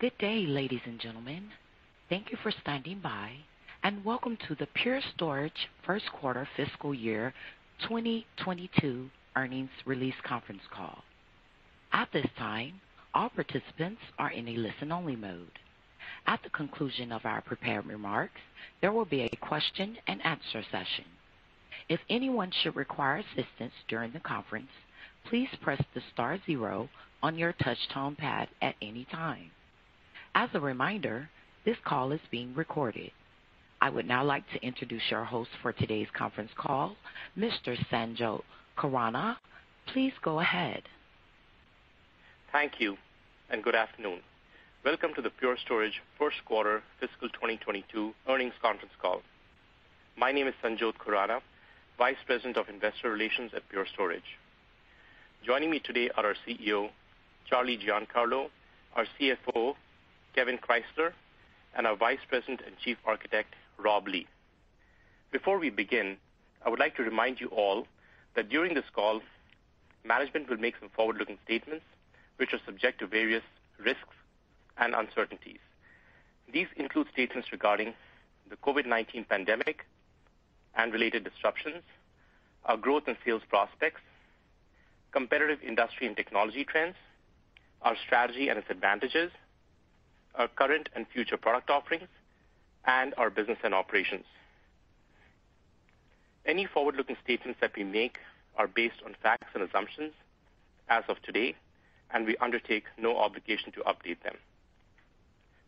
Good day, ladies and gentlemen. Thank you for standing by, and welcome to the Everpure first quarter fiscal year 2022 earnings release conference call. At this time, all participants are in a listen-only mode. At the conclusion of our prepared remarks, there will be a question-and-answer session. If anyone should require assistance during the conference, please press the star zero on your touch tone pad at any time. As a reminder, this call is being recorded. I would now like to introduce your host for today's conference call, Mr. Sanjot Khurana. Please go ahead. Thank you, and good afternoon. Welcome to the Everpure first quarter fiscal 2022 earnings conference call. My name is Sanjot Khurana, Vice President of Investor Relations at Everpure. Joining me today are our CEO, Charlie Giancarlo, our CFO, Kevan Krysler, and our Vice President and Chief Architect, Rob Lee. Before we begin, I would like to remind you all that during this call, management will make some forward-looking statements, which are subject to various risks and uncertainties. These include statements regarding the COVID-19 pandemic and related disruptions, our growth and sales prospects, competitive industry and technology trends, our strategy and its advantages, our current and future product offerings, and our business and operations. Any forward-looking statements that we make are based on facts and assumptions as of today, and we undertake no obligation to update them.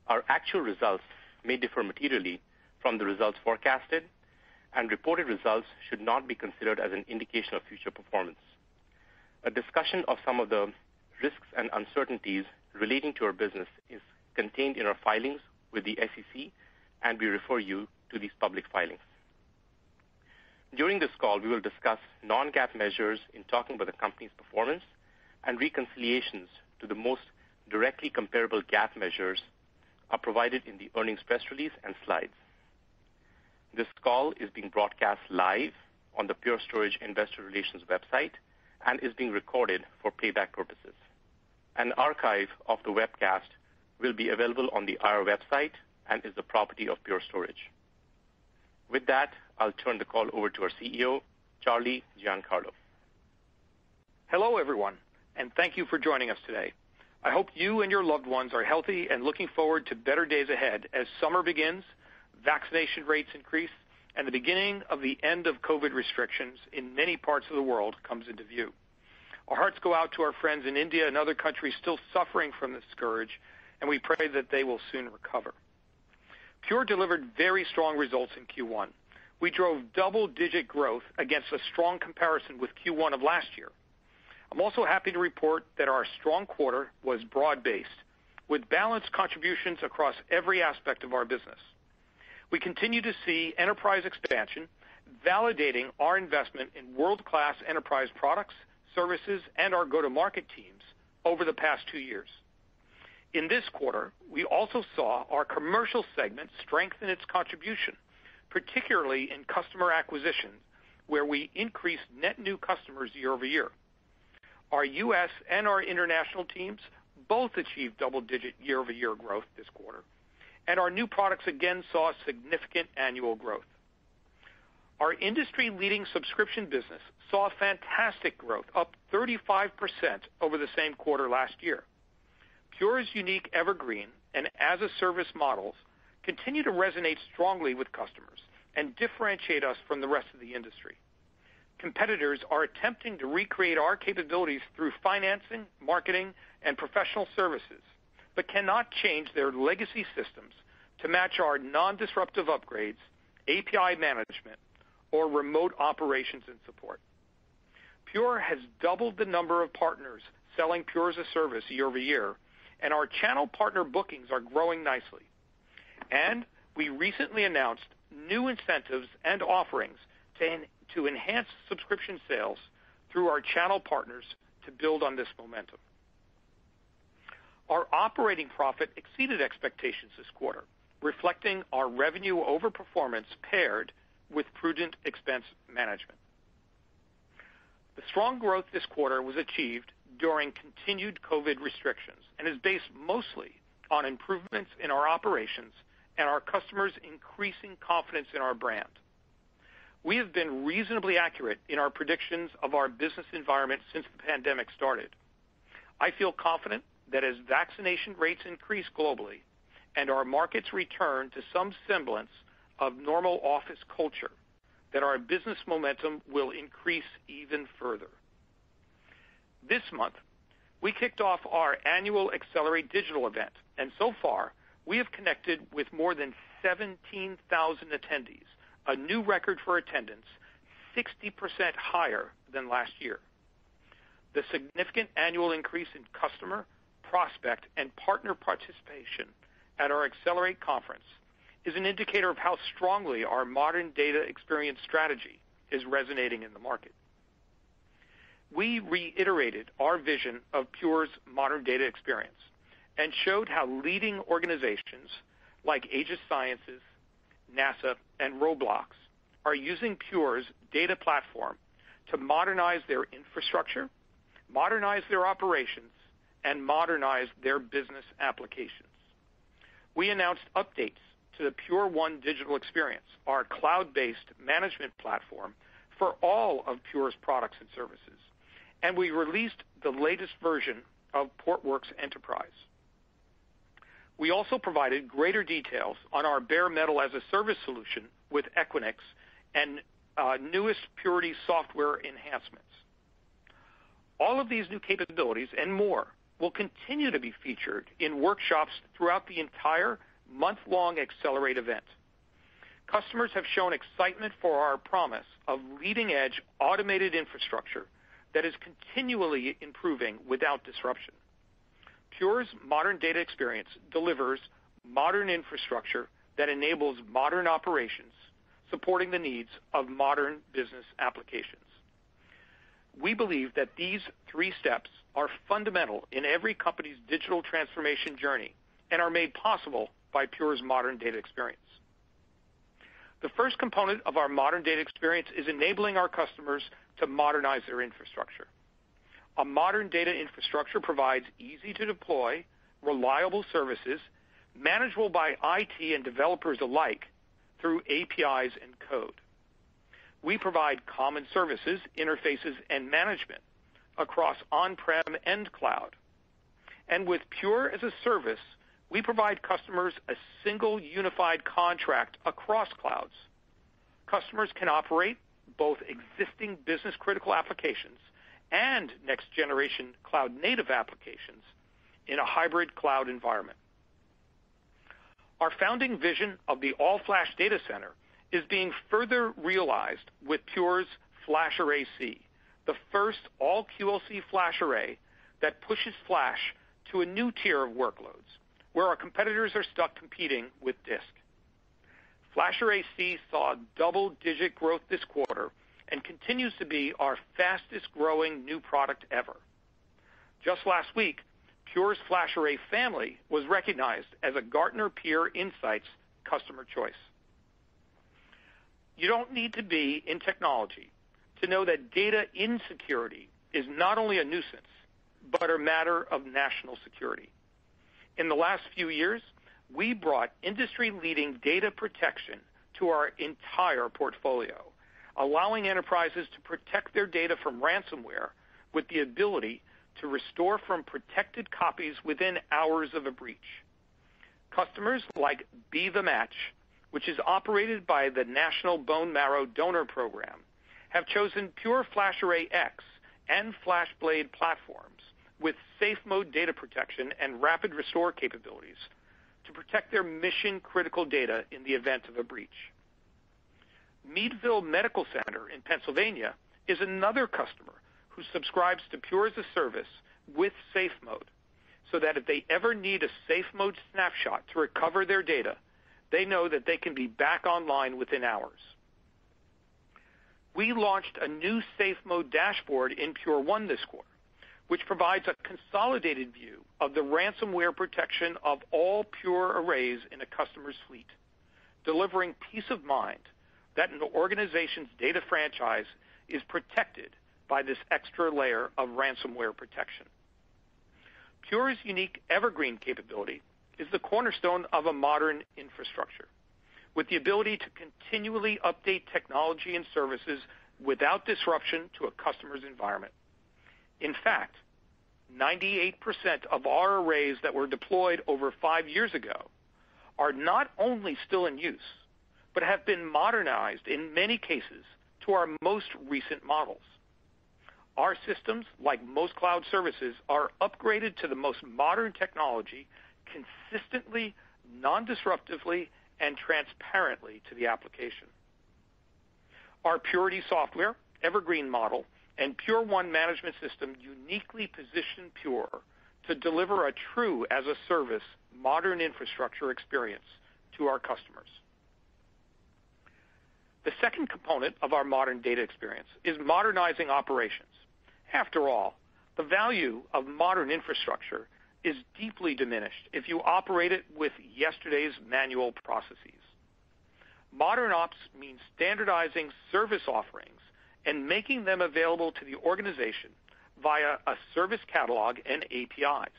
Our actual results may differ materially from the results forecasted, and reported results should not be considered as an indication of future performance. A discussion of some of the risks and uncertainties relating to our business is contained in our filings with the SEC, and we refer you to these public filings. During this call, we will discuss non-GAAP measures in talking about the company's performance, and reconciliations to the most directly comparable GAAP measures are provided in the earnings press release and slides. This call is being broadcast live on the Pure Storage Investor Relations website and is being recorded for playback purposes. An archive of the webcast will be available on the IR website and is the property of Pure Storage. With that, I'll turn the call over to our CEO, Charlie Giancarlo. Hello, everyone, and thank you for joining us today. I hope you and your loved ones are healthy and looking forward to better days ahead as summer begins, vaccination rates increase, and the beginning of the end of COVID-19 restrictions in many parts of the world comes into view. Our hearts go out to our friends in India and other countries still suffering from this scourge, and we pray that they will soon recover. Everpure delivered very strong results in Q1. We drove double-digit growth against a strong comparison with Q1 of last year. I'm also happy to report that our strong quarter was broad-based, with balanced contributions across every aspect of our business. We continue to see enterprise expansion validating our investment in world-class enterprise products, services, and our go-to-market teams over the past two years. In this quarter, we also saw our commercial segment strengthen its contribution, particularly in customer acquisition, where we increased net new customers year-over-year. Our U.S. and our international teams both achieved double-digit year-over-year growth this quarter, and our new products again saw significant annual growth. Our industry-leading subscription business saw fantastic growth, up 35% over the same quarter last year. Pure's unique Evergreen and as-a-service models continue to resonate strongly with customers and differentiate us from the rest of the industry. Competitors are attempting to recreate our capabilities through financing, marketing, and professional services but cannot change their legacy systems to match our non-disruptive upgrades, API management, or remote operations and support. Pure has doubled the number of partners selling Pure as-a-Service year-over-year, and our channel partner bookings are growing nicely. We recently announced new incentives and offerings to enhance subscription sales through our channel partners to build on this momentum. Our operating profit exceeded expectations this quarter, reflecting our revenue overperformance paired with prudent expense management. The strong growth this quarter was achieved during continued COVID restrictions and is based mostly on improvements in our operations and our customers' increasing confidence in our brand. We have been reasonably accurate in our predictions of our business environment since the pandemic started. I feel confident that as vaccination rates increase globally and our markets return to some semblance of normal office culture, that our business momentum will increase even further. This month, we kicked off our annual Accelerate digital event, and so far, we have connected with more than 17,000 attendees, a new record for attendance, 60% higher than last year. The significant annual increase in customer, prospect, and partner participation at our Accelerate conference is an indicator of how strongly our modern data experience strategy is resonating in the market. We reiterated our vision of Pure's modern data experience and showed how leading organizations like Aegis Sciences, NASA, and Roblox are using Pure's data platform to modernize their infrastructure, modernize their operations, and modernize their business applications. We announced updates to the Pure1 digital experience, our cloud-based management platform for all of Pure's products and services, and we released the latest version of Portworx Enterprise. We also provided greater details on our bare metal as-a-service solution with Equinix and newest Purity software enhancements. All of these new capabilities and more will continue to be featured in workshops throughout the entire month-long Accelerate event. Customers have shown excitement for our promise of leading-edge automated infrastructure that is continually improving without disruption. Pure's modern data experience delivers modern infrastructure that enables modern operations supporting the needs of modern business applications. We believe that these three steps are fundamental in every company's digital transformation journey and are made possible by Pure's modern data experience. The first component of our modern data experience is enabling our customers to modernize their infrastructure. A modern data infrastructure provides easy-to-deploy, reliable services manageable by IT and developers alike through APIs and code. With Pure as-a-Service, we provide customers a single unified contract across clouds. Customers can operate both existing business-critical applications and next-generation cloud-native applications in a hybrid cloud environment. Our founding vision of the all-flash data center is being further realized with Pure's FlashArray//C, the first all QLC FlashArray that pushes flash to a new tier of workloads where our competitors are stuck competing with disk. FlashArray//C saw double-digit growth this quarter and continues to be our fastest-growing new product ever. Just last week, Pure's FlashArray family was recognized as a Gartner Peer Insights Customers' Choice. You don't need to be in technology to know that data insecurity is not only a nuisance but a matter of national security. In the last few years, we brought industry-leading data protection to our entire portfolio, allowing enterprises to protect their data from ransomware with the ability to restore from protected copies within hours of a breach. Customers like Be The Match, which is operated by the National Marrow Donor Program, have chosen Pure FlashArray//X and FlashBlade platforms with SafeMode data protection and rapid restore capabilities to protect their mission-critical data in the event of a breach. Meadville Medical Center in Pennsylvania is another customer who subscribes to Pure as-a-Service with SafeMode so that if they ever need a SafeMode snapshot to recover their data, they know that they can be back online within hours. We launched a new SafeMode dashboard in Pure1 this quarter, which provides a consolidated view of the ransomware protection of all Pure arrays in a customer suite, delivering peace of mind that an organization's data franchise is protected by this extra layer of ransomware protection. Pure's unique Evergreen capability is the cornerstone of a modern infrastructure with the ability to continually update technology and services without disruption to a customer's environment. In fact, 98% of our arrays that were deployed over five years ago are not only still in use but have been modernized in many cases to our most recent models. Our systems, like most cloud services, are upgraded to the most modern technology consistently, non-disruptively, and transparently to the application. Our Purity software, Evergreen model, and Pure1 management system uniquely position Pure to deliver a true as-a-service modern infrastructure experience to our customers. The second component of our modern data experience is modernizing operations. After all, the value of modern infrastructure is deeply diminished if you operate it with yesterday's manual processes. Modern ops means standardizing service offerings and making them available to the organization via a service catalog and APIs.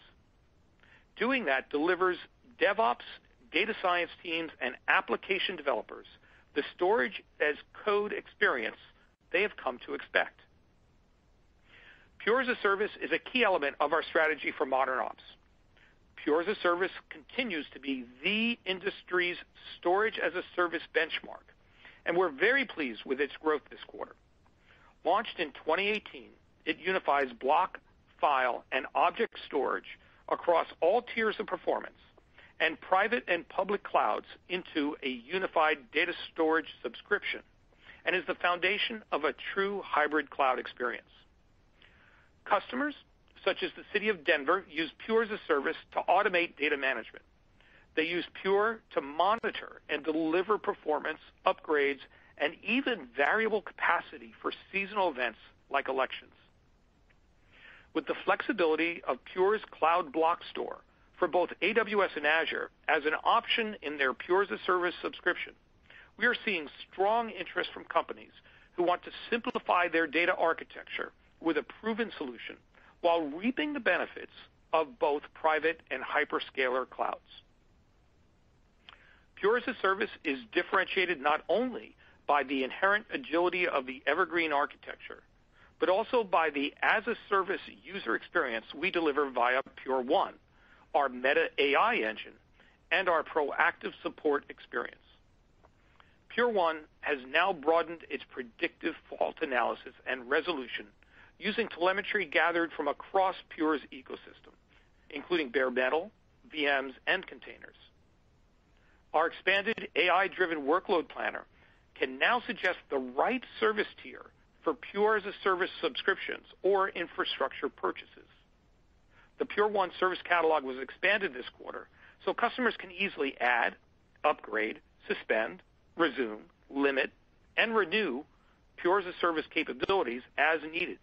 Doing that delivers DevOps, data science teams, and application developers the storage-as-code experience they have come to expect. Pure as-a-Service is a key element of our strategy for modern ops. Pure as-a-Service continues to be the industry's storage-as-a-service benchmark, and we're very pleased with its growth this quarter. Launched in 2018, it unifies block, file, and object storage across all tiers of performance and private and public clouds into a unified data storage subscription and is the foundation of a true hybrid cloud experience. Customers such as the City of Denver use Pure as-a-Service to automate data management. They use Pure to monitor and deliver performance, upgrades, and even variable capacity for seasonal events like elections. With the flexibility of Pure's Cloud Block Store for both AWS and Azure as an option in their Pure as-a-Service subscription, we are seeing strong interest from companies who want to simplify their data architecture with a proven solution, while reaping the benefits of both private and hyperscaler clouds. Pure as-a-Service is differentiated not only by the inherent agility of the Evergreen architecture, but also by the as-a-Service user experience we deliver via Pure1, our Meta AI engine, and our proactive support experience. Pure1 has now broadened its predictive fault analysis and resolution using telemetry gathered from across Pure's ecosystem, including bare metal, VMs, and containers. Our expanded AI-driven workload planner can now suggest the right service tier for Pure as-a-Service subscriptions or infrastructure purchases. The Pure1 service catalog was expanded this quarter. Customers can easily add, upgrade, suspend, resume, limit, and renew Pure as-a-Service capabilities as needed.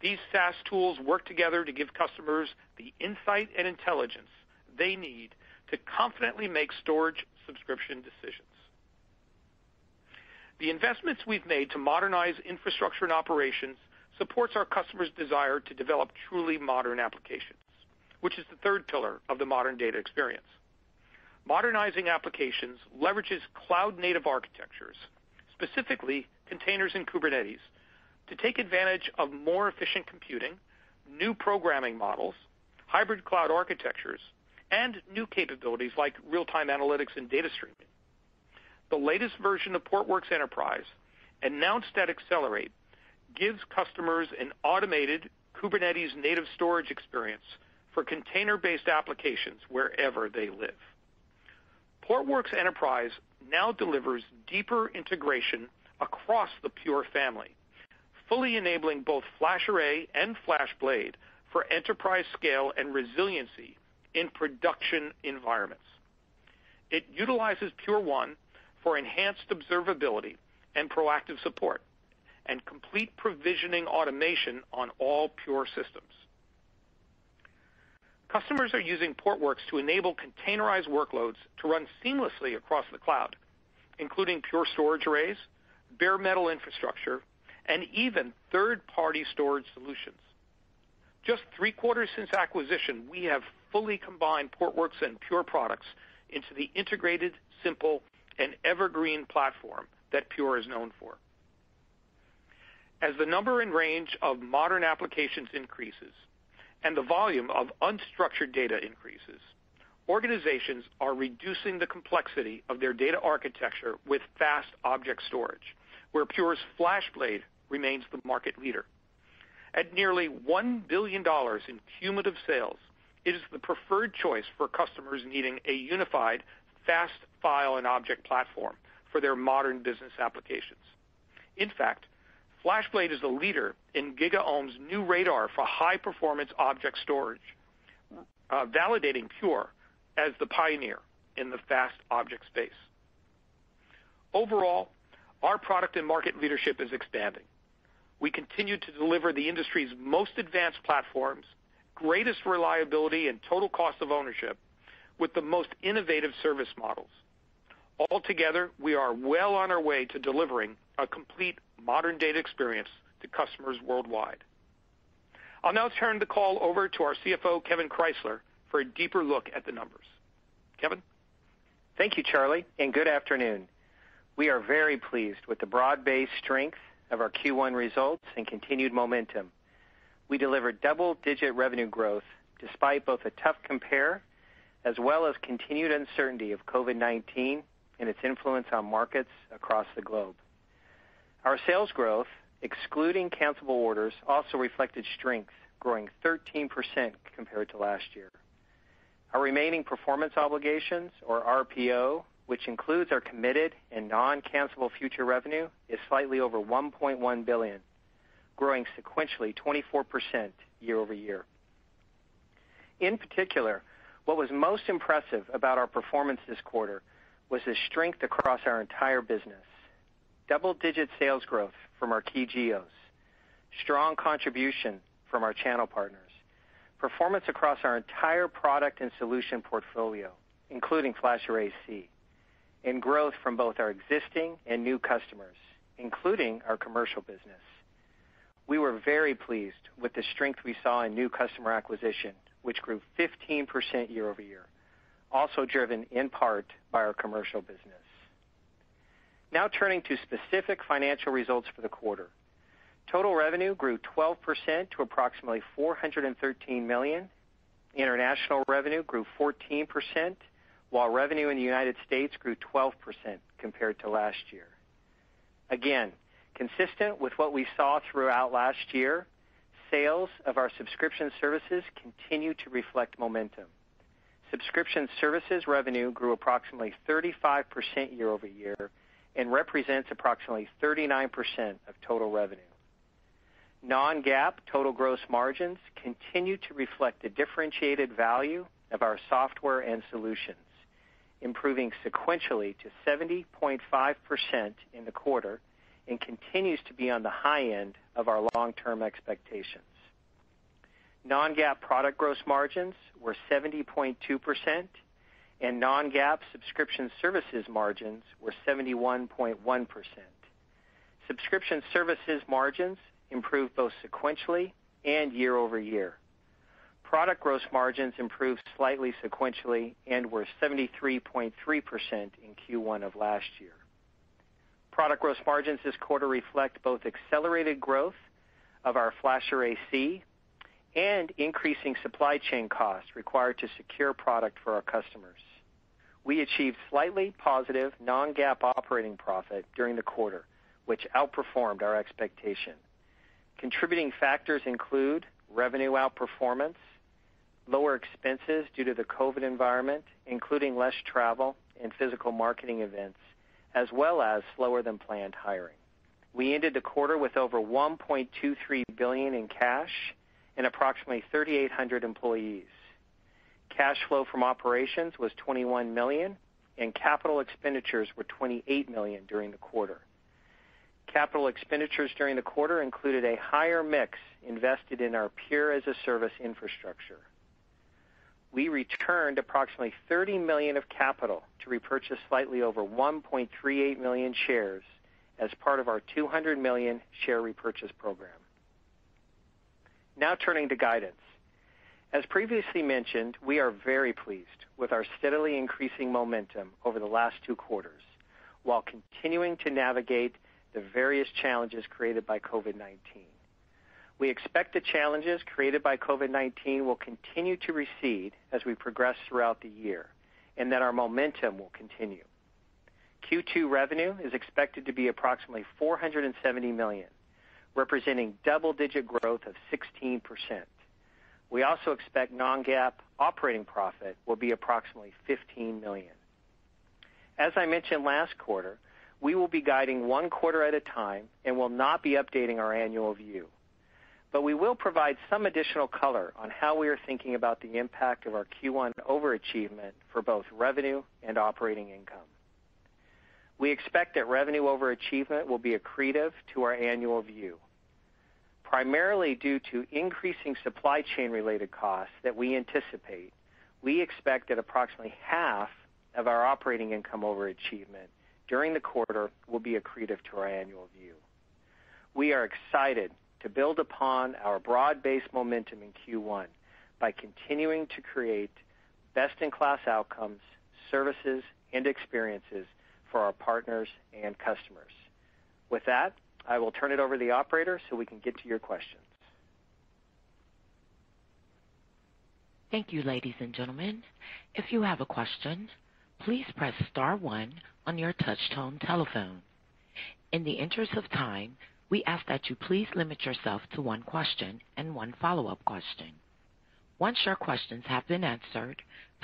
These SaaS tools work together to give customers the insight and intelligence they need to confidently make storage subscription decisions. The investments we've made to modernize infrastructure and operations supports our customers' desire to develop truly modern applications, which is the third pillar of the Modern Data Experience. Modernizing applications leverages cloud-native architectures, specifically containers and Kubernetes, to take advantage of more efficient computing, new programming models, hybrid cloud architectures, and new capabilities like real-time analytics and data streaming. The latest version of Portworx Enterprise, announced at Accelerate, gives customers an automated Kubernetes native storage experience for container-based applications wherever they live. Portworx Enterprise now delivers deeper integration across the Pure family, fully enabling both FlashArray and FlashBlade for enterprise scale and resiliency in production environments. It utilizes Pure1 for enhanced observability and proactive support and complete provisioning automation on all Pure systems. Customers are using Portworx to enable containerized workloads to run seamlessly across the cloud, including Pure Storage arrays, bare metal infrastructure, and even third-party storage solutions. Just three quarters since acquisition, we have fully combined Portworx and Pure products into the integrated, simple, and evergreen platform that Pure is known for. As the number and range of modern applications increases, and the volume of unstructured data increases, organizations are reducing the complexity of their data architecture with fast object storage, where Pure's FlashBlade remains the market leader. At nearly $1 billion in cumulative sales, it is the preferred choice for customers needing a unified fast file and object platform for their modern business applications. In fact, FlashBlade is a leader in GigaOm's new Radar for high-performance object storage, validating Pure as the pioneer in the fast object space. Overall, our product and market leadership is expanding. We continue to deliver the industry's most advanced platforms, greatest reliability and total cost of ownership with the most innovative service models. Altogether, we are well on our way to delivering a complete modern data experience to customers worldwide. I'll now turn the call over to our CFO, Kevan Krysler, for a deeper look at the numbers. Kevan? Thank you, Charlie, and good afternoon. We are very pleased with the broad-based strength of our Q1 results and continued momentum. We delivered double-digit revenue growth despite both a tough compare as well as continued uncertainty of COVID-19 and its influence on markets across the globe. Our sales growth, excluding cancelable orders, also reflected strength, growing 13% compared to last year. Our remaining performance obligations or RPO, which includes our committed and non-cancelable future revenue, is slightly over $1.1 billion, growing sequentially 24% year-over-year. In particular, what was most impressive about our performance this quarter was the strength across our entire business. Double-digit sales growth from our key geos, strong contribution from our channel partners, performance across our entire product and solution portfolio, including FlashArray//C, and growth from both our existing and new customers, including our commercial business. We were very pleased with the strength we saw in new customer acquisition, which grew 15% year-over-year, also driven in part by our commercial business. Turning to specific financial results for the quarter. Total revenue grew 12% to approximately $413 million. International revenue grew 14%, while revenue in the United States grew 12% compared to last year. Consistent with what we saw throughout last year, sales of our subscription services continue to reflect momentum. Subscription services revenue grew approximately 35% year-over-year and represents approximately 39% of total revenue. Non-GAAP total gross margins continue to reflect the differentiated value of our software and solutions, improving sequentially to 70.5% in the quarter and continues to be on the high end of our long-term expectations. Non-GAAP product gross margins were 70.2%, and non-GAAP subscription services margins were 71.1%. Subscription services margins improved both sequentially and year-over-year. Product gross margins improved slightly sequentially and were 73.3% in Q1 of last year. Product gross margins this quarter reflect both accelerated growth of our FlashArray//C and increasing supply chain costs required to secure product for our customers. We achieved slightly positive non-GAAP operating profit during the quarter, which outperformed our expectation. Contributing factors include revenue outperformance, lower expenses due to the COVID environment, including less travel and physical marketing events, as well as slower than planned hiring. We ended the quarter with over $1.23 billion in cash and approximately 3,800 employees. Cash flow from operations was $21 million, and capital expenditures were $28 million during the quarter. Capital expenditures during the quarter included a higher mix invested in our Pure as-a-Service infrastructure. We returned approximately $30 million of capital to repurchase slightly over 1.38 million shares as part of our $200 million share repurchase program. Now turning to guidance. As previously mentioned, we are very pleased with our steadily increasing momentum over the last two quarters while continuing to navigate the various challenges created by COVID-19. We expect the challenges created by COVID-19 will continue to recede as we progress throughout the year, and that our momentum will continue. Q2 revenue is expected to be approximately $470 million, representing double-digit growth of 16%. We also expect non-GAAP operating profit will be approximately $15 million. As I mentioned last quarter, we will be guiding one quarter at a time and will not be updating our annual view. We will provide some additional color on how we are thinking about the impact of our Q1 overachievement for both revenue and operating income. We expect that revenue overachievement will be accretive to our annual view. Primarily due to increasing supply chain-related costs that we anticipate, we expect that approximately half of our operating income overachievement during the quarter will be accretive to our annual view. We are excited to build upon our broad-based momentum in Q1 by continuing to create best-in-class outcomes, services, and experiences for our partners and customers. With that, I will turn it over to the operator so we can get to your questions. Thank you, ladies and gentlemen. If you have a question, please press star one on your touch tone telephone. In the interest of time, we ask that you please limit yourself to one question and one follow-up question. Once your questions have been answered,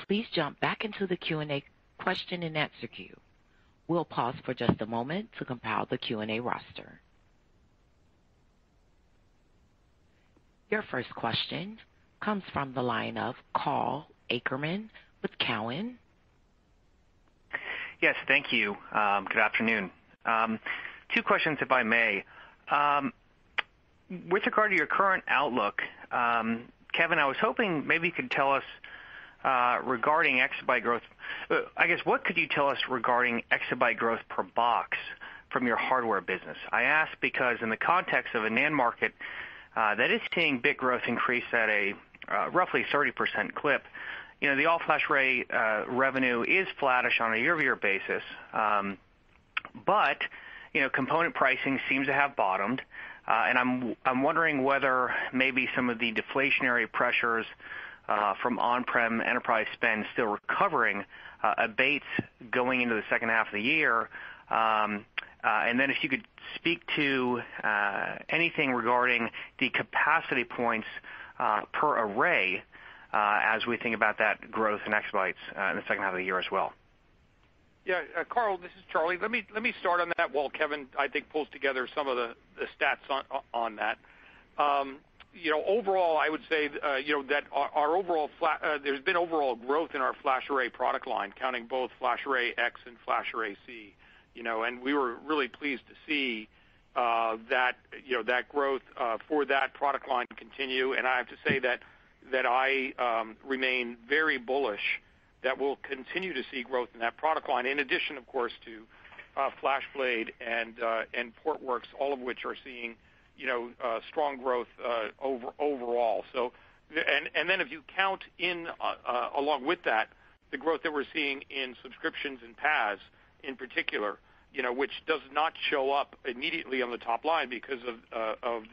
please jump back into the Q&A question-and-answer queue. We'll pause for just a moment to compile the Q&A roster. Your first question comes from the line of Karl Ackerman with Cowen. Yes, thank you. Good afternoon. Two questions, if I may. With regard to your current outlook, Kevan, I guess, what could you tell us regarding exabyte growth per box from your hardware business? I ask because in the context of a NAND market that is seeing bit growth increase at a roughly 30% clip, the All Flash Array revenue is flattish on a year-over-year basis. Component pricing seems to have bottomed, and I'm wondering whether maybe some of the deflationary pressures from on-prem enterprise spend still recovering abates going into the second half of the year. Then if you could speak to anything regarding the capacity points per array as we think about that growth in exabytes in the second half of the year as well. Yeah. Karl, this is Charlie. Let me start on that while Kevan, I think, pulls together some of the stats on that. There's been overall growth in our FlashArray product line, counting both FlashArray//X and FlashArray//C. We're really pleased to see that growth for that full-point continue. I have to say that I remain very bullish that we'll continue to see growth in that product line. In addition, of course, to FlashBlade and Portworx, all of which are seeing strong growth overall. If you count in along with that, the growth that we're seeing in subscriptions and PAS in particular, which does not show up immediately on the top line because of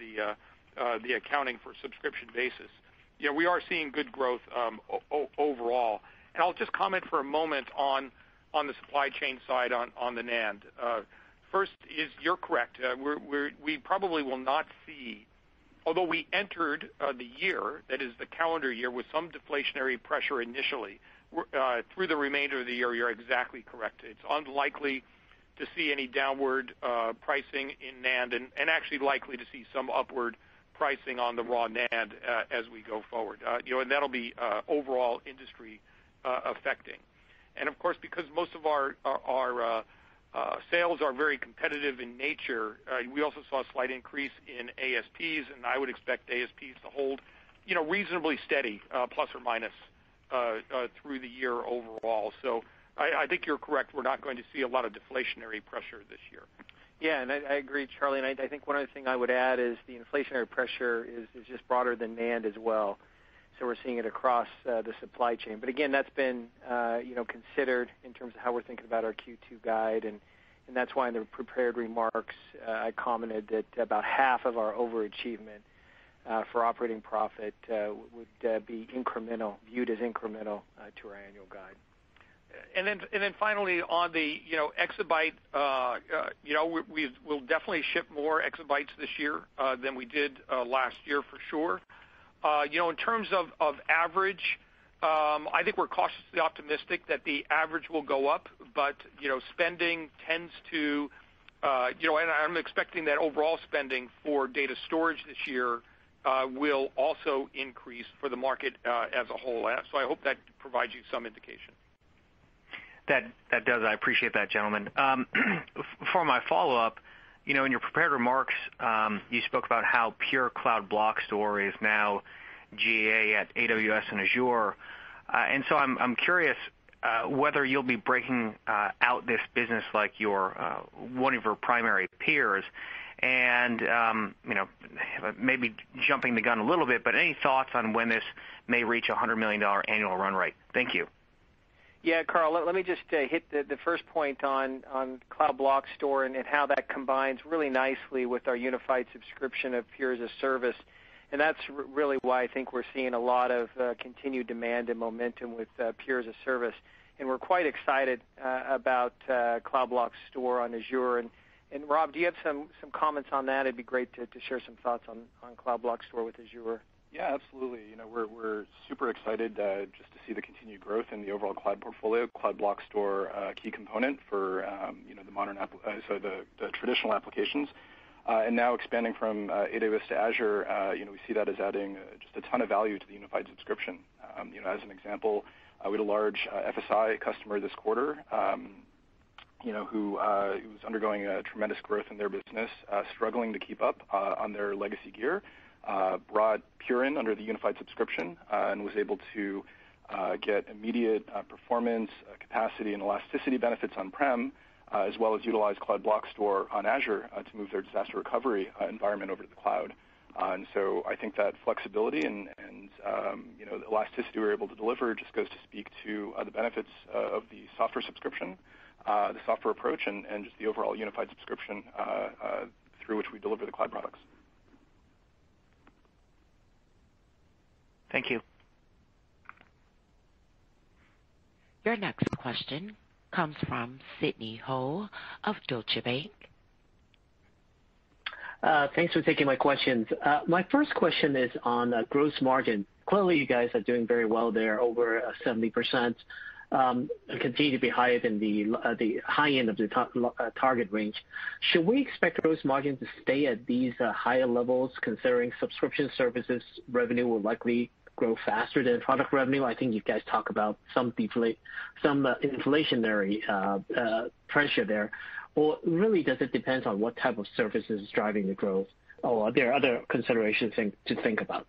the accounting for subscription basis. We are seeing good growth overall. I'll just comment for a moment on the supply chain side on the NAND. First is, you're correct. Although we entered the year, that is the calendar year, with some deflationary pressure initially, through the remainder of the year, you're exactly correct. It's unlikely to see any downward pricing in NAND, and actually likely to see some upward pricing on the raw NAND as we go forward. That'll be overall industry affecting. Of course, because most of our sales are very competitive in nature, we also saw a slight increase in ASPs, and I would expect ASPs to hold reasonably steady, plus or minus, through the year overall. I think you're correct. We're not going to see a lot of deflationary pressure this year. Yeah. I agree, Charlie, I think one other thing I would add is the inflationary pressure is just broader than NAND as well. We're seeing it across the supply chain. Again, that's been considered in terms of how we're thinking about our Q2 guide, and that's why in the prepared remarks, I commented that about half of our overachievement for operating profit would be viewed as incremental to our annual guide. Finally, on the exabyte, we'll definitely ship more exabytes this year than we did last year, for sure. In terms of average, I think we're cautiously optimistic that the average will go up, but I'm expecting that overall spending for data storage this year will also increase for the market as a whole. I hope that provides you some indication. That does. I appreciate that, gentlemen. For my follow-up, in your prepared remarks, you spoke about how Pure Cloud Block Store is now GA at AWS and Azure. I'm curious whether you'll be breaking out this business like one of your primary peers and maybe jumping the gun a little bit, but any thoughts on when this may reach $100 million annual run rate? Thank you. Yeah, Karl, let me just hit the first point on Cloud Block Store and how that combines really nicely with our unified subscription of Pure as-a-Service. That's really why I think we're seeing a lot of continued demand and momentum with Pure as-a-Service. We're quite excited about Cloud Block Store on Azure. Rob, do you have some comments on that? It'd be great to share some thoughts on Cloud Block Store with Azure. Yeah, absolutely. We're super excited just to see the continued growth in the overall cloud portfolio, Cloud Block Store, a key component for the traditional applications. Now expanding from AWS to Azure, we see that as adding just a ton of value to the unified subscription. As an example, we had a large FSI customer this quarter who was undergoing a tremendous growth in their business, struggling to keep up on their legacy gear, brought Pure in under the unified subscription and was able to get immediate performance capacity and elasticity benefits on-prem, as well as utilize Cloud Block Store on Azure to move their disaster recovery environment over to the cloud. I think that flexibility and the elasticity we were able to deliver just goes to speak to the benefits of the software subscription, the software approach, and just the overall unified subscription through which we deliver the cloud products. Thank you. Your next question comes from Sidney Ho of Deutsche Bank. Thanks for taking my questions. My first question is on gross margin. Clearly, you guys are doing very well there, over 70%, and continue to be higher than the high end of the target range. Should we expect gross margin to stay at these higher levels, considering subscription services revenue will likely grow faster than product revenue? I think you guys talk about some inflationary pressure there. Really, does it depend on what type of services is driving the growth? Are there other considerations to think about?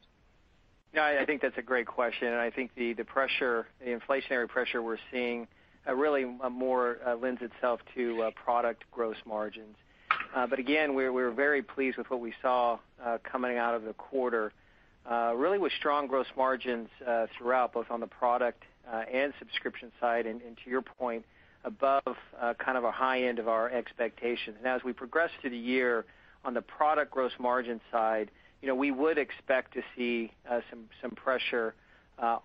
Yeah, I think that's a great question, I think the inflationary pressure we're seeing really more lends itself to product gross margins. Again, we're very pleased with what we saw coming out of the quarter, really with strong gross margins throughout, both on the product and subscription side, and to your point, above a high end of our expectations. Now, as we progress through the year on the product gross margin side, we would expect to see some pressure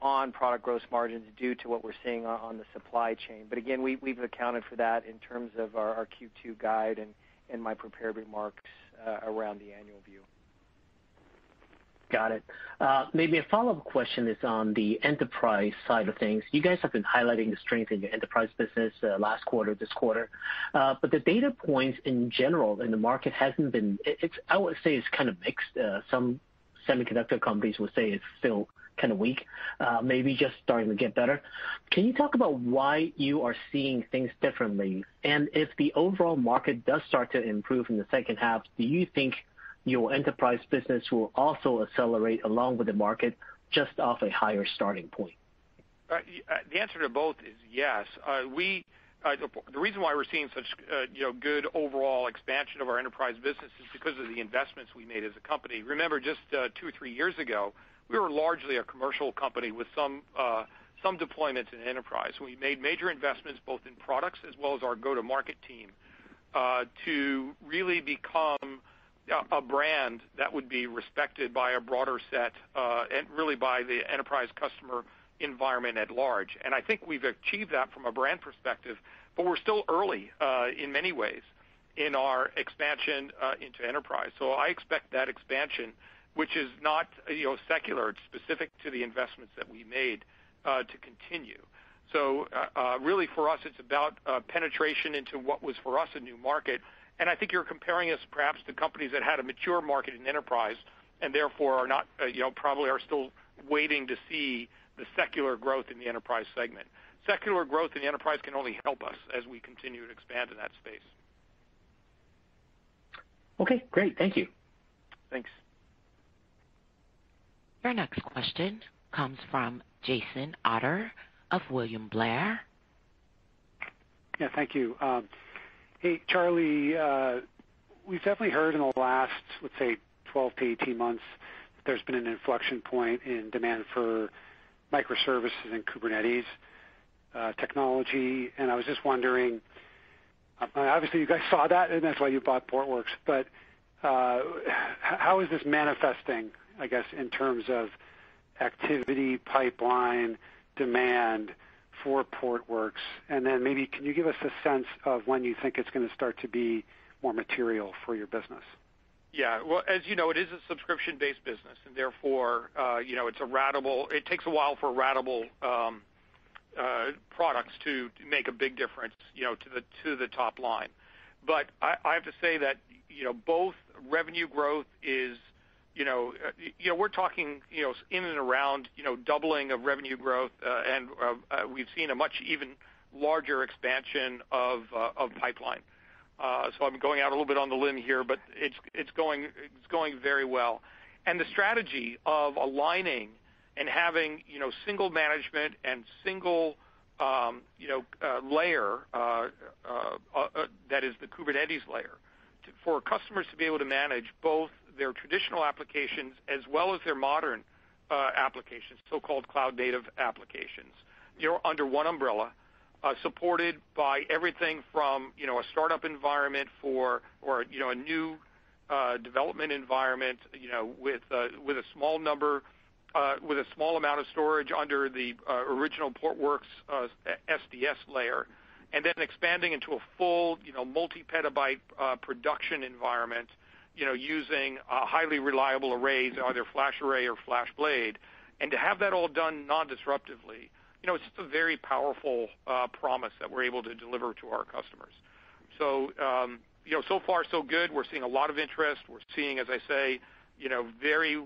on product gross margins due to what we're seeing on the supply chain. Again, we've accounted for that in terms of our Q2 guide and in my prepared remarks around the annual view. Got it. Maybe a follow-up question is on the enterprise side of things. You guys have been highlighting the strength in your enterprise business last quarter, this quarter. The data points in general in the market hasn't been, I would say it's kind of mixed. Some semiconductor companies would say it's still kind of weak, maybe just starting to get better. Can you talk about why you are seeing things differently? If the overall market does start to improve in the second half, do you think your enterprise business will also accelerate along with the market, just off a higher starting point? The answer to both is yes. The reason why we're seeing such good overall expansion of our enterprise business is because of the investments we made as a company. Remember, just two or three years ago, we were largely a commercial company with some deployments in enterprise. We made major investments both in products as well as our go-to-market team to really become a brand that would be respected by a broader set and really by the enterprise customer environment at large. I think we've achieved that from a brand perspective, but we're still early in many ways in our expansion into enterprise. I expect that expansion, which is not secular, it's specific to the investments that we made, to continue. Really for us, it's about penetration into what was for us a new market. I think you're comparing us perhaps to companies that had a mature market in enterprise and therefore probably are still waiting to see the secular growth in the enterprise segment. Secular growth in the enterprise can only help us as we continue to expand in that space. Okay, great. Thank you. Thanks. Your next question comes from Jason Ader of William Blair. Yeah, thank you. Hey, Charlie, we've definitely heard in the last, let's say, 12-18 months that there's been an inflection point in demand for microservices and Kubernetes technology. I was just wondering, obviously you guys saw that, and that's why you bought Portworx. How is this manifesting, I guess, in terms of activity, pipeline, demand for Portworx? Maybe can you give us a sense of when you think it's going to start to be more material for your business? Yeah. Well, as you know, it is a subscription-based business and therefore it takes a while for ratable products to make a big difference to the top line. I have to say that both revenue growth. We're talking in and around doubling of revenue growth, and we've seen a much even larger expansion of pipeline. I'm going out a little bit on a limb here, but it's going very well. The strategy of aligning and having single management and single layer, that is the Kubernetes layer, for customers to be able to manage both their traditional applications as well as their modern applications, so-called cloud-native applications under one umbrella, supported by everything from a startup environment or a new development environment with a small amount of storage under the original Portworx SDS layer, then expanding into a full multi-petabyte production environment using highly reliable arrays, either FlashArray or FlashBlade, and to have that all done non-disruptively. It's just a very powerful promise that we're able to deliver to our customers. So far so good. We're seeing a lot of interest. We're seeing, as I say, very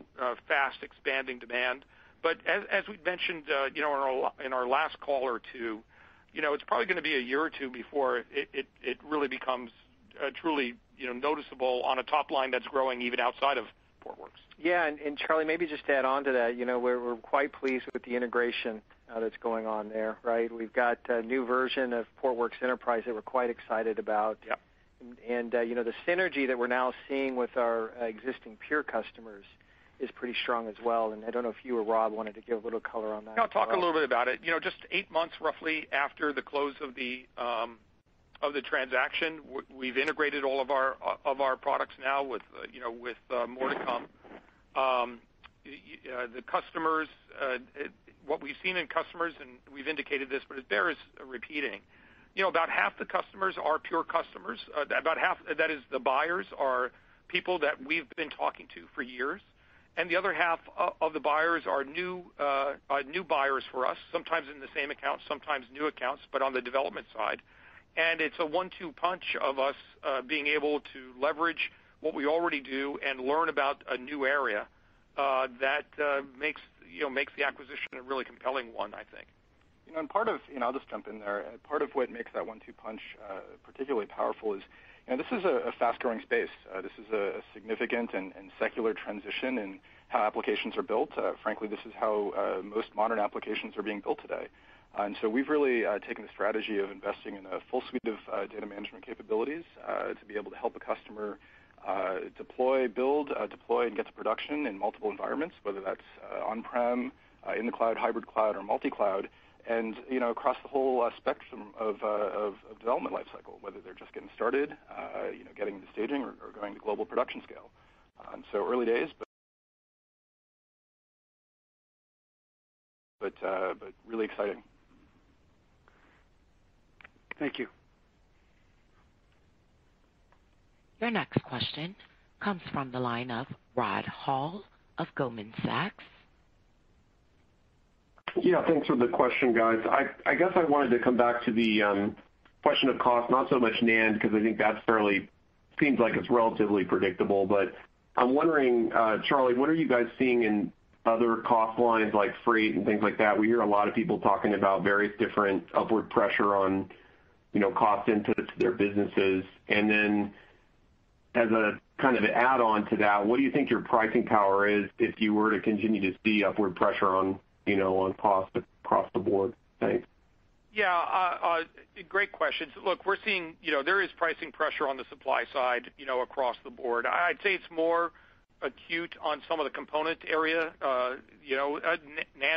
fast expanding demand. As we mentioned in our last call or two, it's probably going to be a year or two before it really becomes truly noticeable on a top line that's growing even outside of Portworx. Charlie, maybe just to add on to that, we're quite pleased with the integration that's going on there, right? We've got a new version of Portworx Enterprise that we're quite excited about. Yeah. The synergy that we're now seeing with our existing Pure customers is pretty strong as well, and I don't know if you or Rob wanted to give a little color on that as well. Yeah, I'll talk a little bit about it. Just eight months roughly after the close of the transaction, we've integrated all of our products now with more to come. What we've seen in customers, and we've indicated this, but it bears repeating. About half the customers are Pure customers. That is the buyers are people that we've been talking to for years, and the other half of the buyers are new buyers for us, sometimes in the same account, sometimes new accounts, but on the development side. It's a one-two punch of us being able to leverage what we already do and learn about a new area that makes the acquisition a really compelling one, I think. I'll just jump in there. Part of what makes that one-two punch particularly powerful is, this is a fast-growing space. This is a significant and secular transition in how applications are built. Frankly, this is how most modern applications are being built today. We've really taken a strategy of investing in a full suite of data management capabilities to be able to help a customer deploy, build, deploy, and get to production in multiple environments, whether that's on-prem, in the cloud, hybrid cloud, or multi-cloud, and across the whole spectrum of development lifecycle, whether they're just getting started, getting to staging, or going global production scale. Early days, but really exciting. Thank you. Your next question comes from the line of Rod Hall of Goldman Sachs. Yeah, thanks for the question, guys. I guess I wanted to come back to the question of cost, not so much NAND, because I think that fairly seems like it's relatively predictable. I'm wondering, Charlie, what are you guys seeing in other cost lines like freight and things like that? As a kind of add-on to that, what do you think your pricing power is if you were to continue to see upward pressure on costs across the board? Thanks. Yeah. Great questions. Look, there is pricing pressure on the supply side across the board. I'd say it's more acute on some of the components area. NAND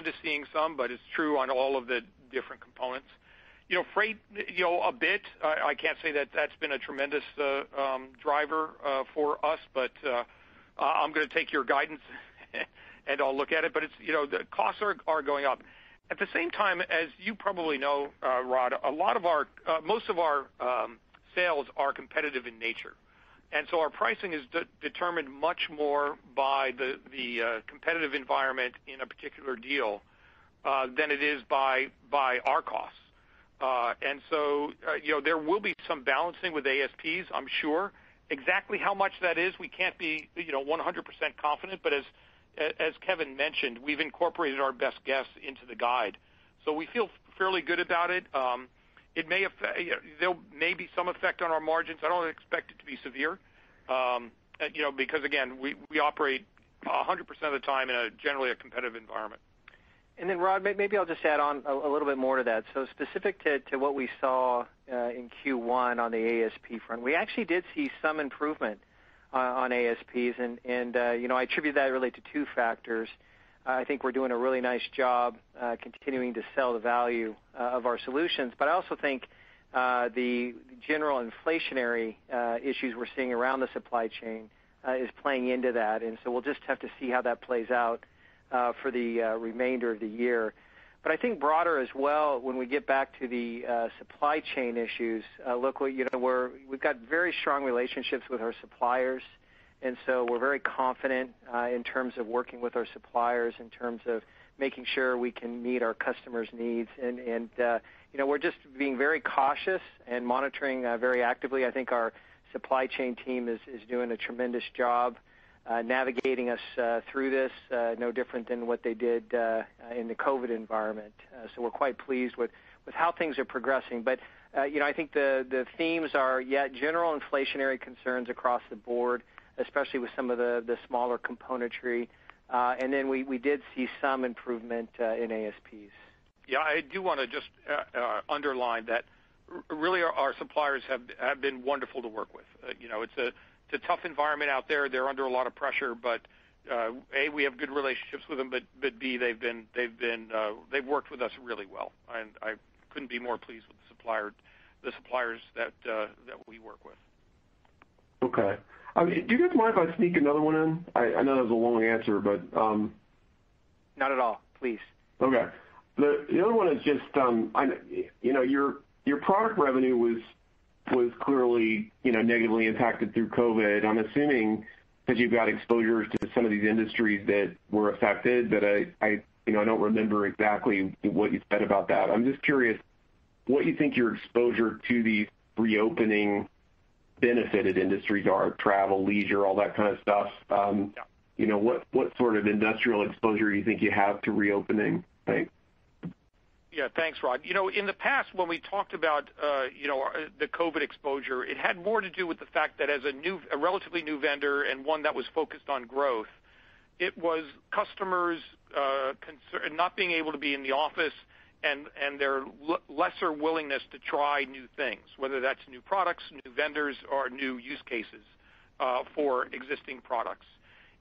is seeing some, but it's true on all of the different components. Freight a bit. I can't say that that's been a tremendous driver for us. I'm going to take your guidance, and I'll look at it. The costs are going up. At the same time, as you probably know, Rod, most of our sales are competitive in nature, and so our pricing is determined much more by the competitive environment in a particular deal than it is by our costs. There will be some balancing with ASPs, I'm sure. Exactly how much that is, we can't be 100% confident, but as Kevin mentioned, we've incorporated our best guess into the guide. We feel fairly good about it. There may be some effect on our margins. I don't expect it to be severe. Again, we operate 100% of the time in generally a competitive environment. Rod, maybe I'll just add on a little bit more to that. Specific to what we saw in Q1 on the ASP front, we actually did see some improvement on ASPs and, I attribute that really to two factors. I also think the general inflationary issues we're seeing around the supply chain is playing into that, and so we'll just have to see how that plays out for the remainder of the year. I think broader as well, when we get back to the supply chain issues, look, we've got very strong relationships with our suppliers, and so we're very confident in terms of working with our suppliers, in terms of making sure we can meet our customers' needs. We're just being very cautious and monitoring very actively. I think our supply chain team is doing a tremendous job navigating us through this, no different than what they did in the COVID environment. We're quite pleased with how things are progressing. I think the themes are general inflationary concerns across the board, especially with some of the smaller componentry. We did see some improvement in ASPs. Yeah, I do want to just underline that really our suppliers have been wonderful to work with. It's a tough environment out there. They're under a lot of pressure, but A, we have good relationships with them, but B, they've worked with us really well, and I couldn't be more pleased with the suppliers that we work with. Okay. If you don't mind, can I sneak another one in? I know that was a long answer, but- Not at all, please. Okay. The other one is just your product revenue was clearly negatively impacted through COVID, and I'm assuming because you've got exposure to some of the industries that were affected, but I don't remember exactly what you said about that. I'm just curious what you think your exposure to the reopening benefited industries are, travel, leisure, all that kind of stuff. What sort of industrial exposure you think you have to reopening? Thanks. Yeah, thanks, Rod. In the past when we talked about the COVID exposure, it had more to do with the fact that as a relatively new vendor and one that was focused on growth, it was customers not being able to be in the office and their lesser willingness to try new things, whether that's new products, new vendors, or new use cases for existing products.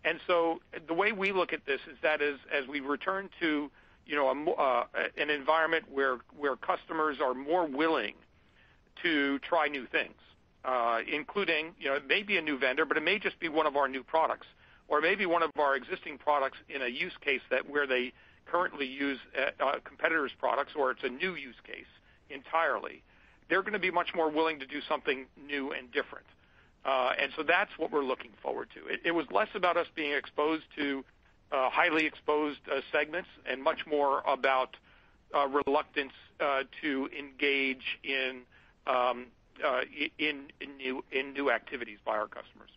The way we look at this is that as we return to an environment where customers are more willing to try new things, including maybe a new vendor, but it may just be one of our new products or it may be one of our existing products in a use case where they currently use a competitor's products, or it's a new use case entirely. They're going to be much more willing to do something new and different. That's what we're looking forward to. It was less about us being exposed to highly exposed segments and much more about reluctance to engage in new activities by our customers.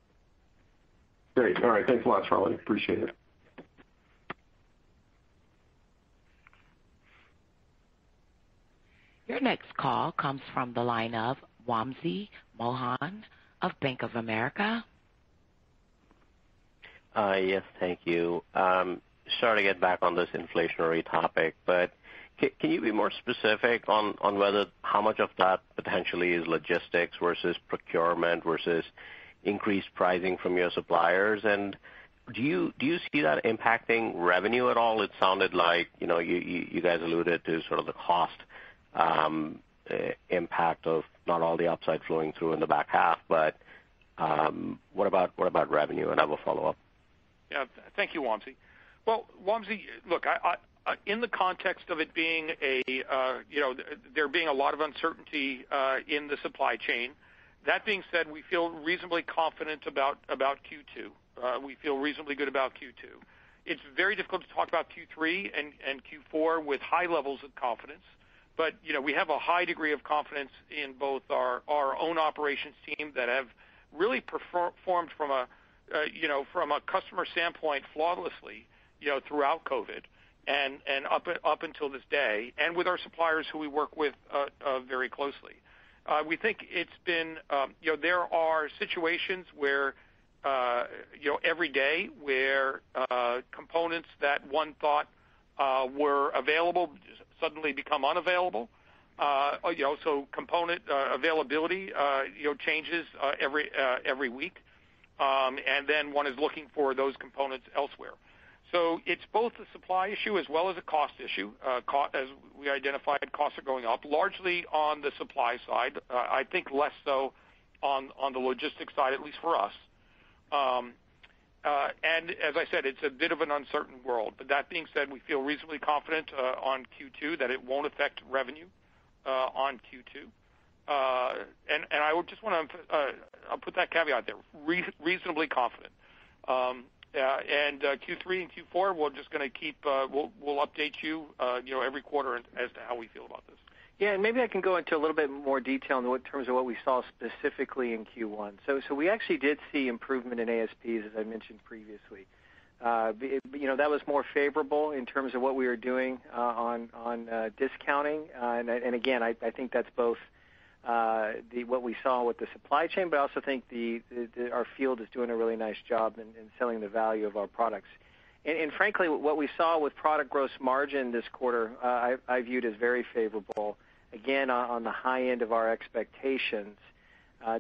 Great. All right. Thanks a lot, Charlie. Appreciate it. Your next call comes from the line of Wamsi Mohan of Bank of America. Yes. Thank you. Sorry to get back on this inflationary topic, can you be more specific on how much of that potentially is logistics versus procurement versus increased pricing from your suppliers? Do you see that impacting revenue at all? It sounded like you guys alluded to sort of the cost impact of not all the upside flowing through in the back half. What about revenue? I have a follow-up. Yeah. Thank you, Wamsi. Well, Wamsi, look, in the context of there being a lot of uncertainty in the supply chain. That being said, we feel reasonably confident about Q2. We feel reasonably good about Q2. It's very difficult to talk about Q3 and Q4 with high levels of confidence. We have a high degree of confidence in both our own operations team that have really performed from a customer standpoint flawlessly throughout COVID and up until this day, and with our suppliers who we work with very closely. There are situations every day where components that one thought were available suddenly become unavailable. Also component availability changes every week. One is looking for those components elsewhere. It's both a supply issue as well as a cost issue. We identified costs are going up largely on the supply side, I think less so on the logistics side, at least for us. As I said, it's a bit of an uncertain world. That being said, we feel reasonably confident on Q2 that it won't affect revenue on Q2. I'll put that caveat there, reasonably confident. Q3 and Q4, we're just going to keep, we'll update you every quarter as to how we feel about this. Yeah, maybe I can go into a little bit more detail in terms of what we saw specifically in Q1. We actually did see improvement in ASPs, as I mentioned previously. That was more favorable in terms of what we were doing on discounting. Again, I think that's both what we saw with the supply chain, but I also think our field is doing a really nice job in selling the value of our products. Frankly, what we saw with product gross margin this quarter, I viewed as very favorable, again, on the high end of our expectations,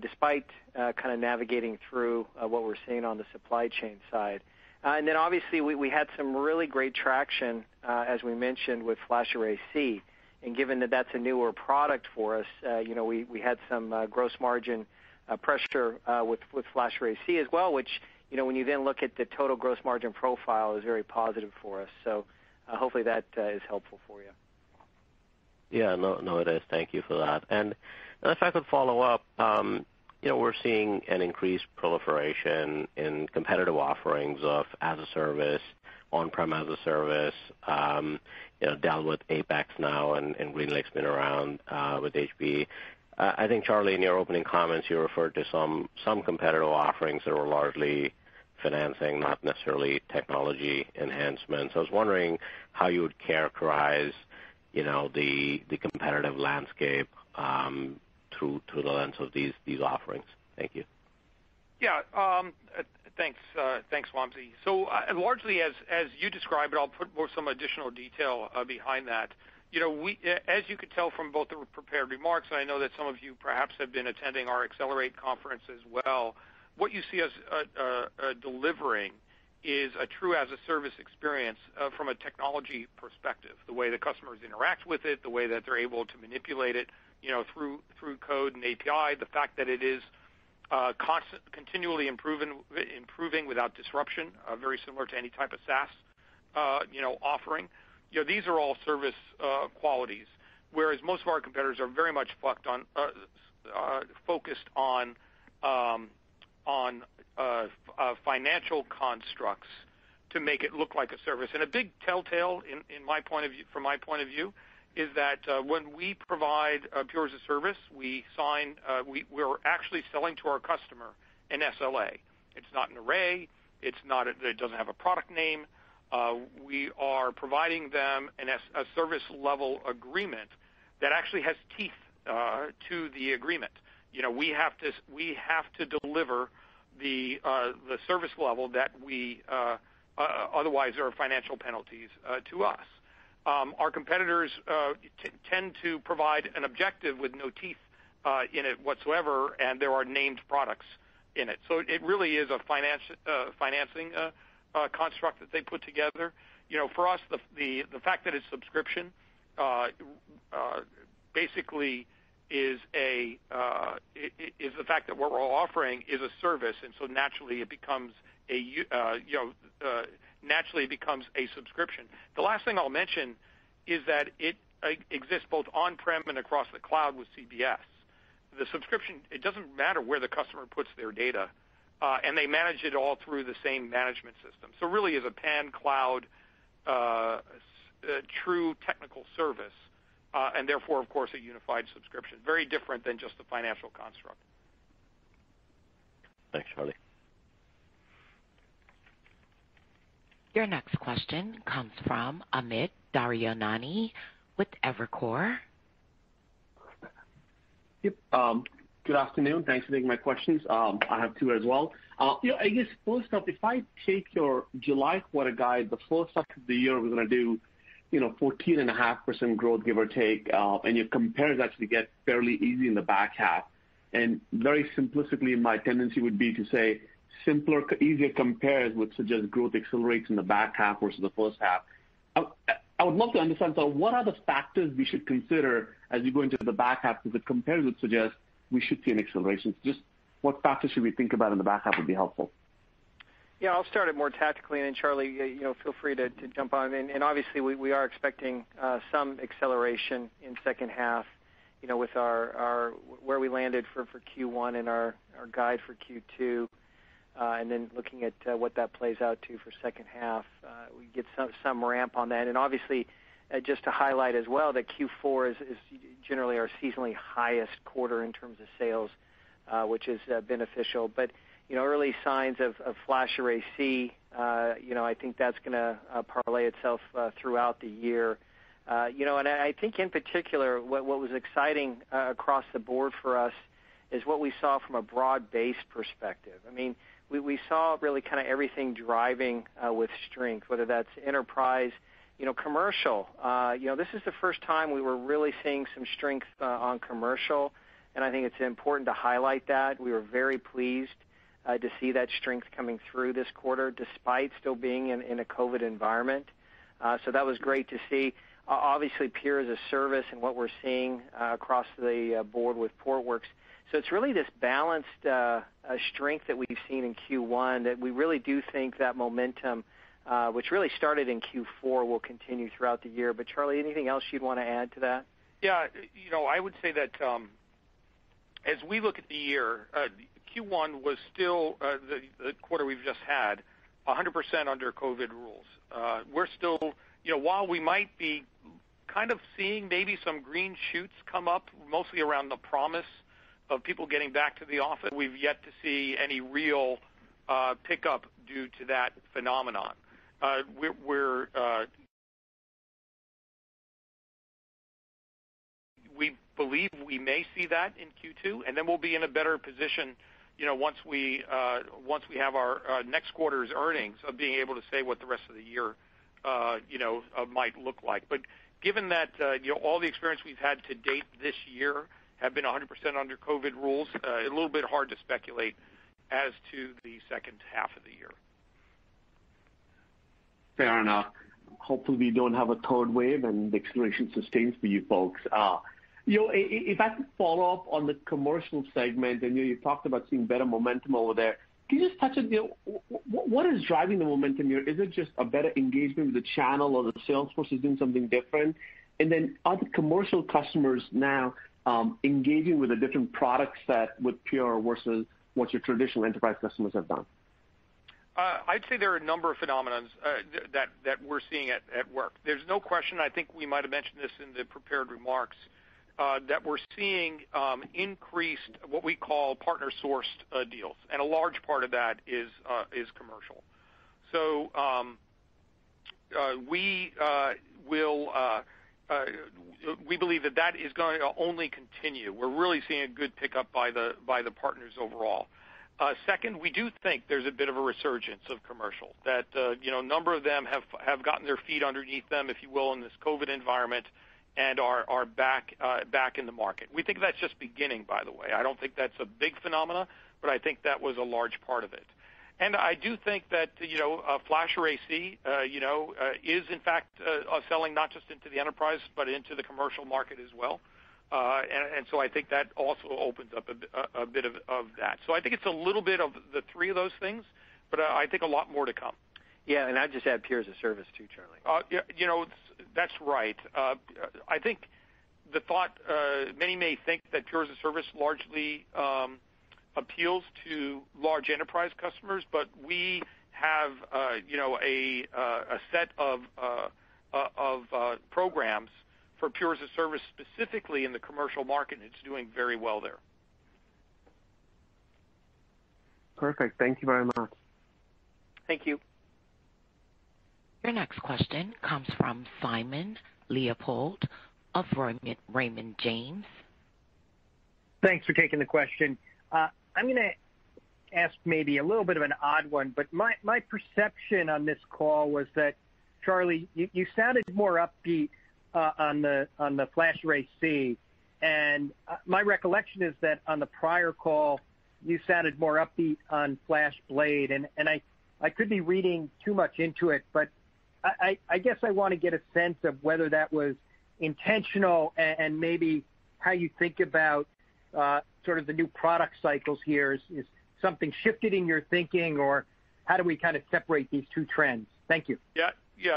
despite navigating through what we're seeing on the supply chain side. Obviously we had some really great traction, as we mentioned with FlashArray//C, and given that that's a newer product for us, we had some gross margin pressure with FlashArray//C as well, which when you then look at the total gross margin profile is very positive for us. Hopefully that is helpful for you. Yeah, no, it is. Thank you for that. If I could follow up, we're seeing an increased proliferation in competitive offerings of as-a-service, on-prem as-a-service, Dell with APEX now and HPE GreenLake's been around with HPE. I think Charlie, in your opening comments you referred to some competitive offerings that were largely financing, not necessarily technology enhancements. I was wondering how you would characterize the competitive landscape through the lens of these offerings. Thank you. Yeah. Thanks, Wamsi. Largely as you described it, I'll put some additional detail behind that. As you could tell from both the prepared remarks, I know that some of you perhaps have been attending our Accelerate conference as well. What you see us delivering is a true as-a-service experience from a technology perspective, the way that customers interact with it, the way that they're able to manipulate it through code and API, the fact that it is continually improving without disruption, very similar to any type of SaaS offering. These are all service qualities, whereas most of our competitors are very much focused on financial constructs to make it look like a service. A big telltale from my point of view is that when we provide Pure as-a-Service, we're actually selling to our customer an SLA. It's not an array. It doesn't have a product name. We are providing them a service level agreement that actually has teeth to the agreement. We have to deliver the service level that we otherwise there are financial penalties to us. Our competitors tend to provide an objective with no teeth in it whatsoever, and there are named products in it. It really is a financing construct that they put together. For us, the fact that it's subscription basically is the fact that what we're offering is a service, naturally it becomes a subscription. The last thing I'll mention is that it exists both on-prem and across the cloud with CBS. The subscription, it doesn't matter where the customer puts their data, and they manage it all through the same management system. It really is a pan-cloud, true technical service and therefore of course a unified subscription. Very different than just a financial construct. Thanks, Charlie. Your next question comes from Amit Daryanani with Evercore. Yep. Good afternoon. Thanks for taking my questions. I have two as well. I guess first up, if I take your July quarter guide, the first half of the year, we're going to do 14.5% growth give or take. Your compares actually get fairly easy in the back half. Very simplistically, my tendency would be to say simpler, easier compares would suggest growth accelerates in the back half versus the first half. I would love to understand, what are the factors we should consider as you go into the back half of the compares that suggest we should see an acceleration? Just what factors should we think about in the back half would be helpful. Yeah, I'll start it more tactically, Charlie feel free to jump on in. Obviously we are expecting some acceleration in second half with where we landed for Q1 and our guide for Q2, looking at what that plays out to for second half. We get some ramp on that. Obviously just to highlight as well that Q4 is generally our seasonally highest quarter in terms of sales, which is beneficial, early signs of FlashArray//C, I think that's going to parlay itself throughout the year. I think in particular what was exciting across the board for us is what we saw from a broad-based perspective. We saw really everything driving with strength, whether that's enterprise, commercial. This is the first time we were really seeing some strength on commercial, I think it's important to highlight that. We were very pleased to see that strength coming through this quarter despite still being in a COVID environment. That was great to see. Obviously Pure as-a-Service and what we're seeing across the board with Portworx. It's really this balanced strength that we've seen in Q1 that we really do think that momentum, which really started in Q4, will continue throughout the year. Charlie, anything else you'd want to add to that? Yeah. I would say that as we look at the year, Q1 was still, the quarter we've just had, 100% under COVID rules. While we might be kind of seeing maybe some green shoots come up, mostly around the promise of people getting back to the office, we've yet to see any real pickup due to that phenomenon. We believe we may see that in Q2. We'll be in a better position, once we have our next quarter's earnings of being able to say what the rest of the year might look like. Given that all the experience we've had to date this year have been 100% under COVID rules, a little bit hard to speculate as to the second half of the year. Fair enough. Hopefully we don't have a third wave and the situation sustains for you folks. I could follow up on the commercial segment, I know you talked about seeing better momentum over there. Can you just touch on what is driving the momentum here? Is it just a better engagement with the channel or the sales force is doing something different? Then are the commercial customers now engaging with a different product set with Pure versus what your traditional enterprise customers have done? I'd say there are a number of phenomenons that we're seeing at work. There's no question, I think we might have mentioned this in the prepared remarks, that we're seeing increased, what we call partner-sourced deals. A large part of that is commercial. We believe that that is going to only continue. We're really seeing a good pickup by the partners overall. Second, we do think there's a bit of a resurgence of commercial. That a number of them have gotten their feet underneath them, if you will, in this COVID environment and are back in the market. We think that's just beginning, by the way. I don't think that's a big phenomenon, but I think that was a large part of it. I do think that FlashArray//C is in fact selling not just into the enterprise, but into the commercial market as well. I think that also opens up a bit of that. I think it's a little bit of the three of those things, but I think a lot more to come. Yeah, I'd just add Pure as-a-Service too, Charlie. That's right. I think they may think that Pure as-a-Service largely appeals to large enterprise customers, but we have a set of programs for Pure as-a-Service specifically in the commercial market, and it's doing very well there. Perfect. Thank you very much. Thank you. Your next question comes from Simon Leopold of Raymond James. Thanks for taking the question. I'm going to ask maybe a little bit of an odd one, but my perception on this call was that, Charlie, you sounded more upbeat on the FlashArray//C, and my recollection is that on the prior call, you sounded more upbeat on FlashBlade, and I could be reading too much into it, but I guess I want to get a sense of whether that was intentional and maybe how you think about sort of the new product cycles here. Is something shifting in your thinking or how do we kind of separate these two trends? Thank you.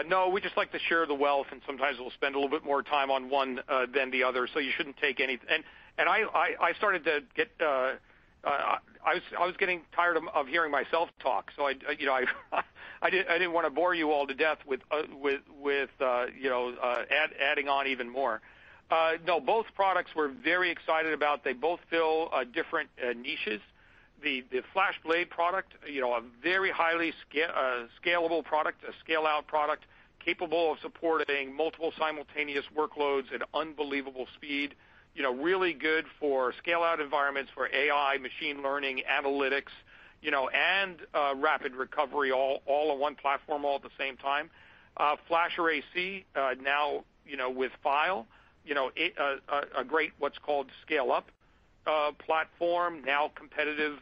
No, we just like to share the wealth and sometimes we'll spend a little bit more time on one than the other. I was getting tired of hearing myself talk, so I didn't want to bore you all to death with adding on even more. Both products we're very excited about. They both fill different niches. The FlashBlade product, a very highly scalable product, a scale-out product, capable of supporting multiple simultaneous workloads at unbelievable speed. Really good for scale-out environments for AI, machine learning, analytics, and rapid recovery, all on one platform all at the same time. FlashArray//C now with File, a great what's called scale-up platform now competitive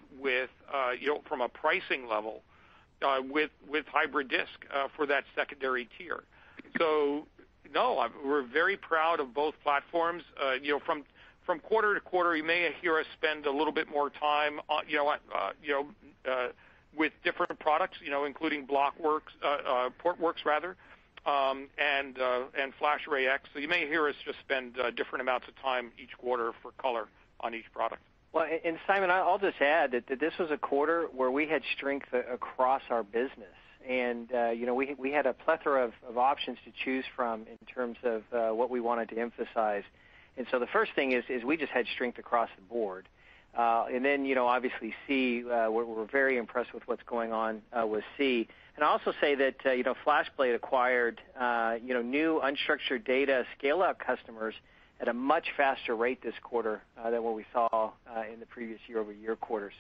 from a pricing level with hybrid disk for that secondary tier. No, we're very proud of both platforms. From quarter to quarter, you may hear us spend a little bit more time with different products including Portworx and FlashArray//X. You may hear us just spend different amounts of time each quarter for color on each product. Well, Simon, I'll just add that this was a quarter where we had strength across our business. We had a plethora of options to choose from in terms of what we wanted to emphasize. The first thing is we just had strength across the board. Obviously C, we're very impressed with what's going on with C. Also say that FlashBlade acquired new unstructured data scale-out customers at a much faster rate this quarter than what we saw in the previous year-over-year quarter.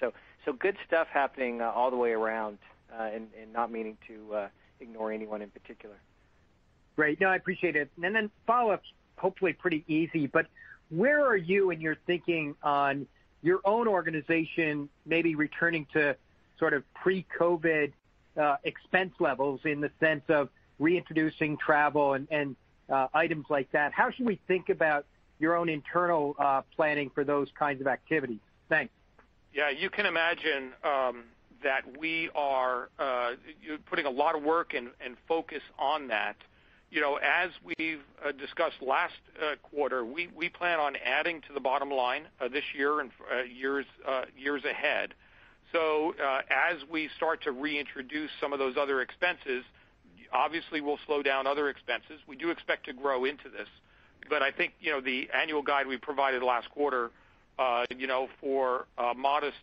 Good stuff happening all the way around, and not meaning to ignore anyone in particular. Great. No, I appreciate it. Follow-up's hopefully pretty easy, but where are you in your thinking on your own organization maybe returning to sort of pre-COVID expense levels in the sense of reintroducing travel and items like that? How should we think about your own internal planning for those kinds of activities? Thanks. Yeah, you can imagine that we are putting a lot of work and focus on that. As we've discussed last quarter, we plan on adding to the bottom line this year and years ahead. As we start to reintroduce some of those other expenses, obviously we'll slow down other expenses. We do expect to grow into this. I think the annual guide we provided last quarter for modest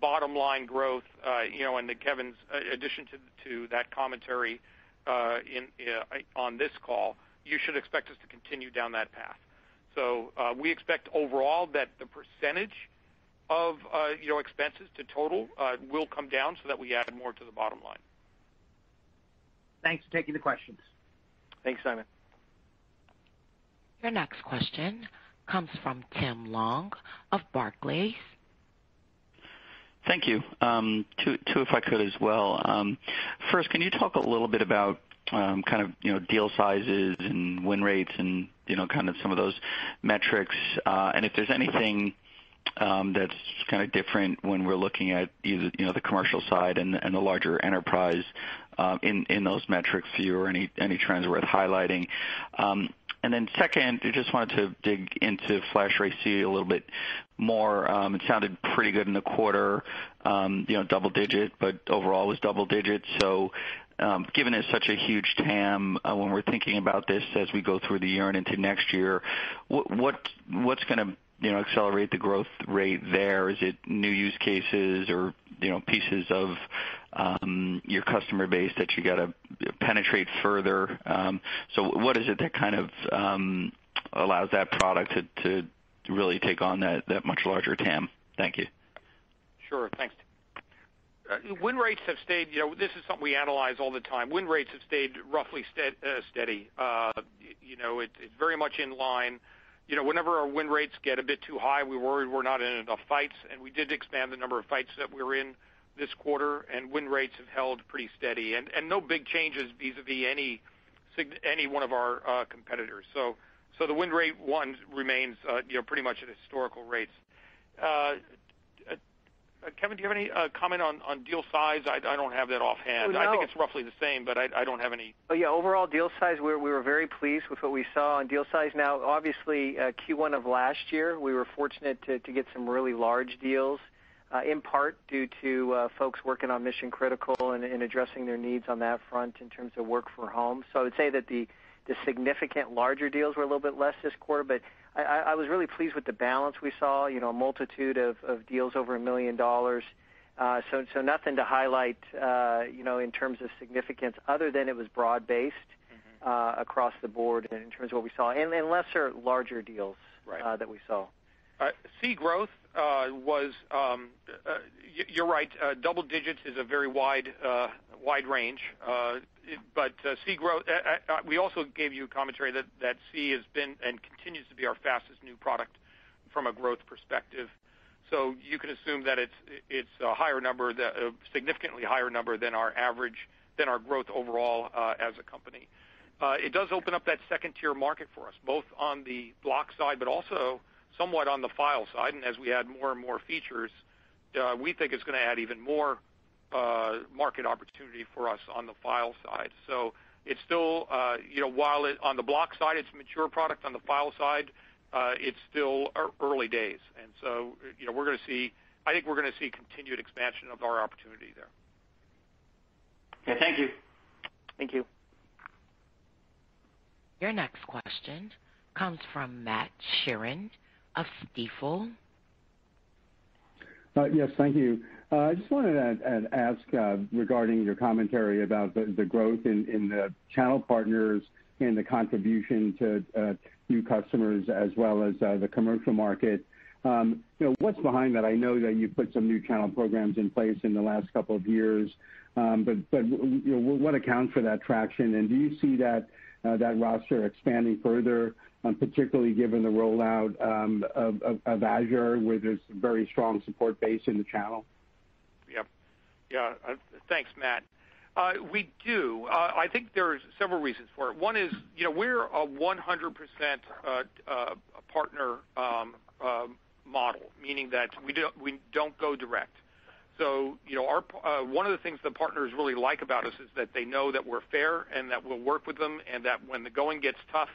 bottom-line growth, and Kevan's addition to that commentary on this call, you should expect us to continue down that path. We expect overall that the perecentage of expenses to total will come down so that we add more to the bottom line. Thanks for taking the questions. Thanks, Simon. Your next question comes from Tim Long of Barclays. Thank you. Two if I could as well. First, can you talk a little bit about kind of deal sizes and win rates and kind of some of those metrics, and if there's anything that's kind of different when we're looking at either the commercial side and the larger enterprise in those metrics for you or any trends worth highlighting. Second, I just wanted to dig into FlashArray//C a little bit more. It sounded pretty good in the quarter, double digit, but overall it's double digits. Given it's such a huge TAM, when we're thinking about this as we go through the year and into next year, what's going to accelerate the growth rate there? Is it new use cases or pieces of your customer base that you got to penetrate further? What is it that kind of allows that product to really take on that much larger TAM? Thank you. Sure. Thanks. This is something we analyze all the time. Win rates have stayed roughly steady. It's very much in line. We did expand the number of fights that we were in this quarter, and win rates have held pretty steady. No big changes vis-a-vis any one of our competitors. The win rate one remains pretty much at historical rates. Kevan, do you have any comment on deal size? I don't have that offhand. I think it's roughly the same, but I don't have any- Yeah, overall deal size, we were very pleased with what we saw on deal size. Obviously Q1 of last year, we were fortunate to get some really large deals, in part due to folks working on mission-critical and addressing their needs on that front in terms of work from home. I'd say that the significant larger deals were a little bit less this quarter, but I was really pleased with the balance we saw, a multitude of deals over $1 million. Nothing to highlight in terms of significance other than it was broad-based across the board in terms of what we saw, and in lesser larger deals that we saw. C growth was, you're right, double digits is a very wide range. C growth, we also gave you a commentary that C has been and continues to be our fastest new product from a growth perspective. You can assume that it's a significantly higher number than our growth overall as a company. It does open up that 2nd-tier market for us, both on the block side, but also somewhat on the file side. As we add more and more features, we think it's going to add even more market opportunity for us on the file side. While on the block side it's a mature product, on the file side, it's still early days. I think we're going to see continued expansion of our opportunity there. Okay. Thank you. Thank you. Your next question comes from Matt Sheerin of Stifel. Yes. Thank you. I just wanted to ask regarding your commentary about the growth in the channel partners and the contribution to new customers as well as the commercial market. What's behind that? I know that you've put some new channel programs in place in the last couple of years, but what accounts for that traction? Do you see that roster expanding further, particularly given the rollout of Azure, where there's a very strong support base in the channel? Yeah. Thanks, Matt. We do. I think there are several reasons for it. One is we're a 100% partner model, meaning that we don't go direct. One of the things the partners really like about us is that they know that we're fair, and that we'll work with them, and that when the going gets tough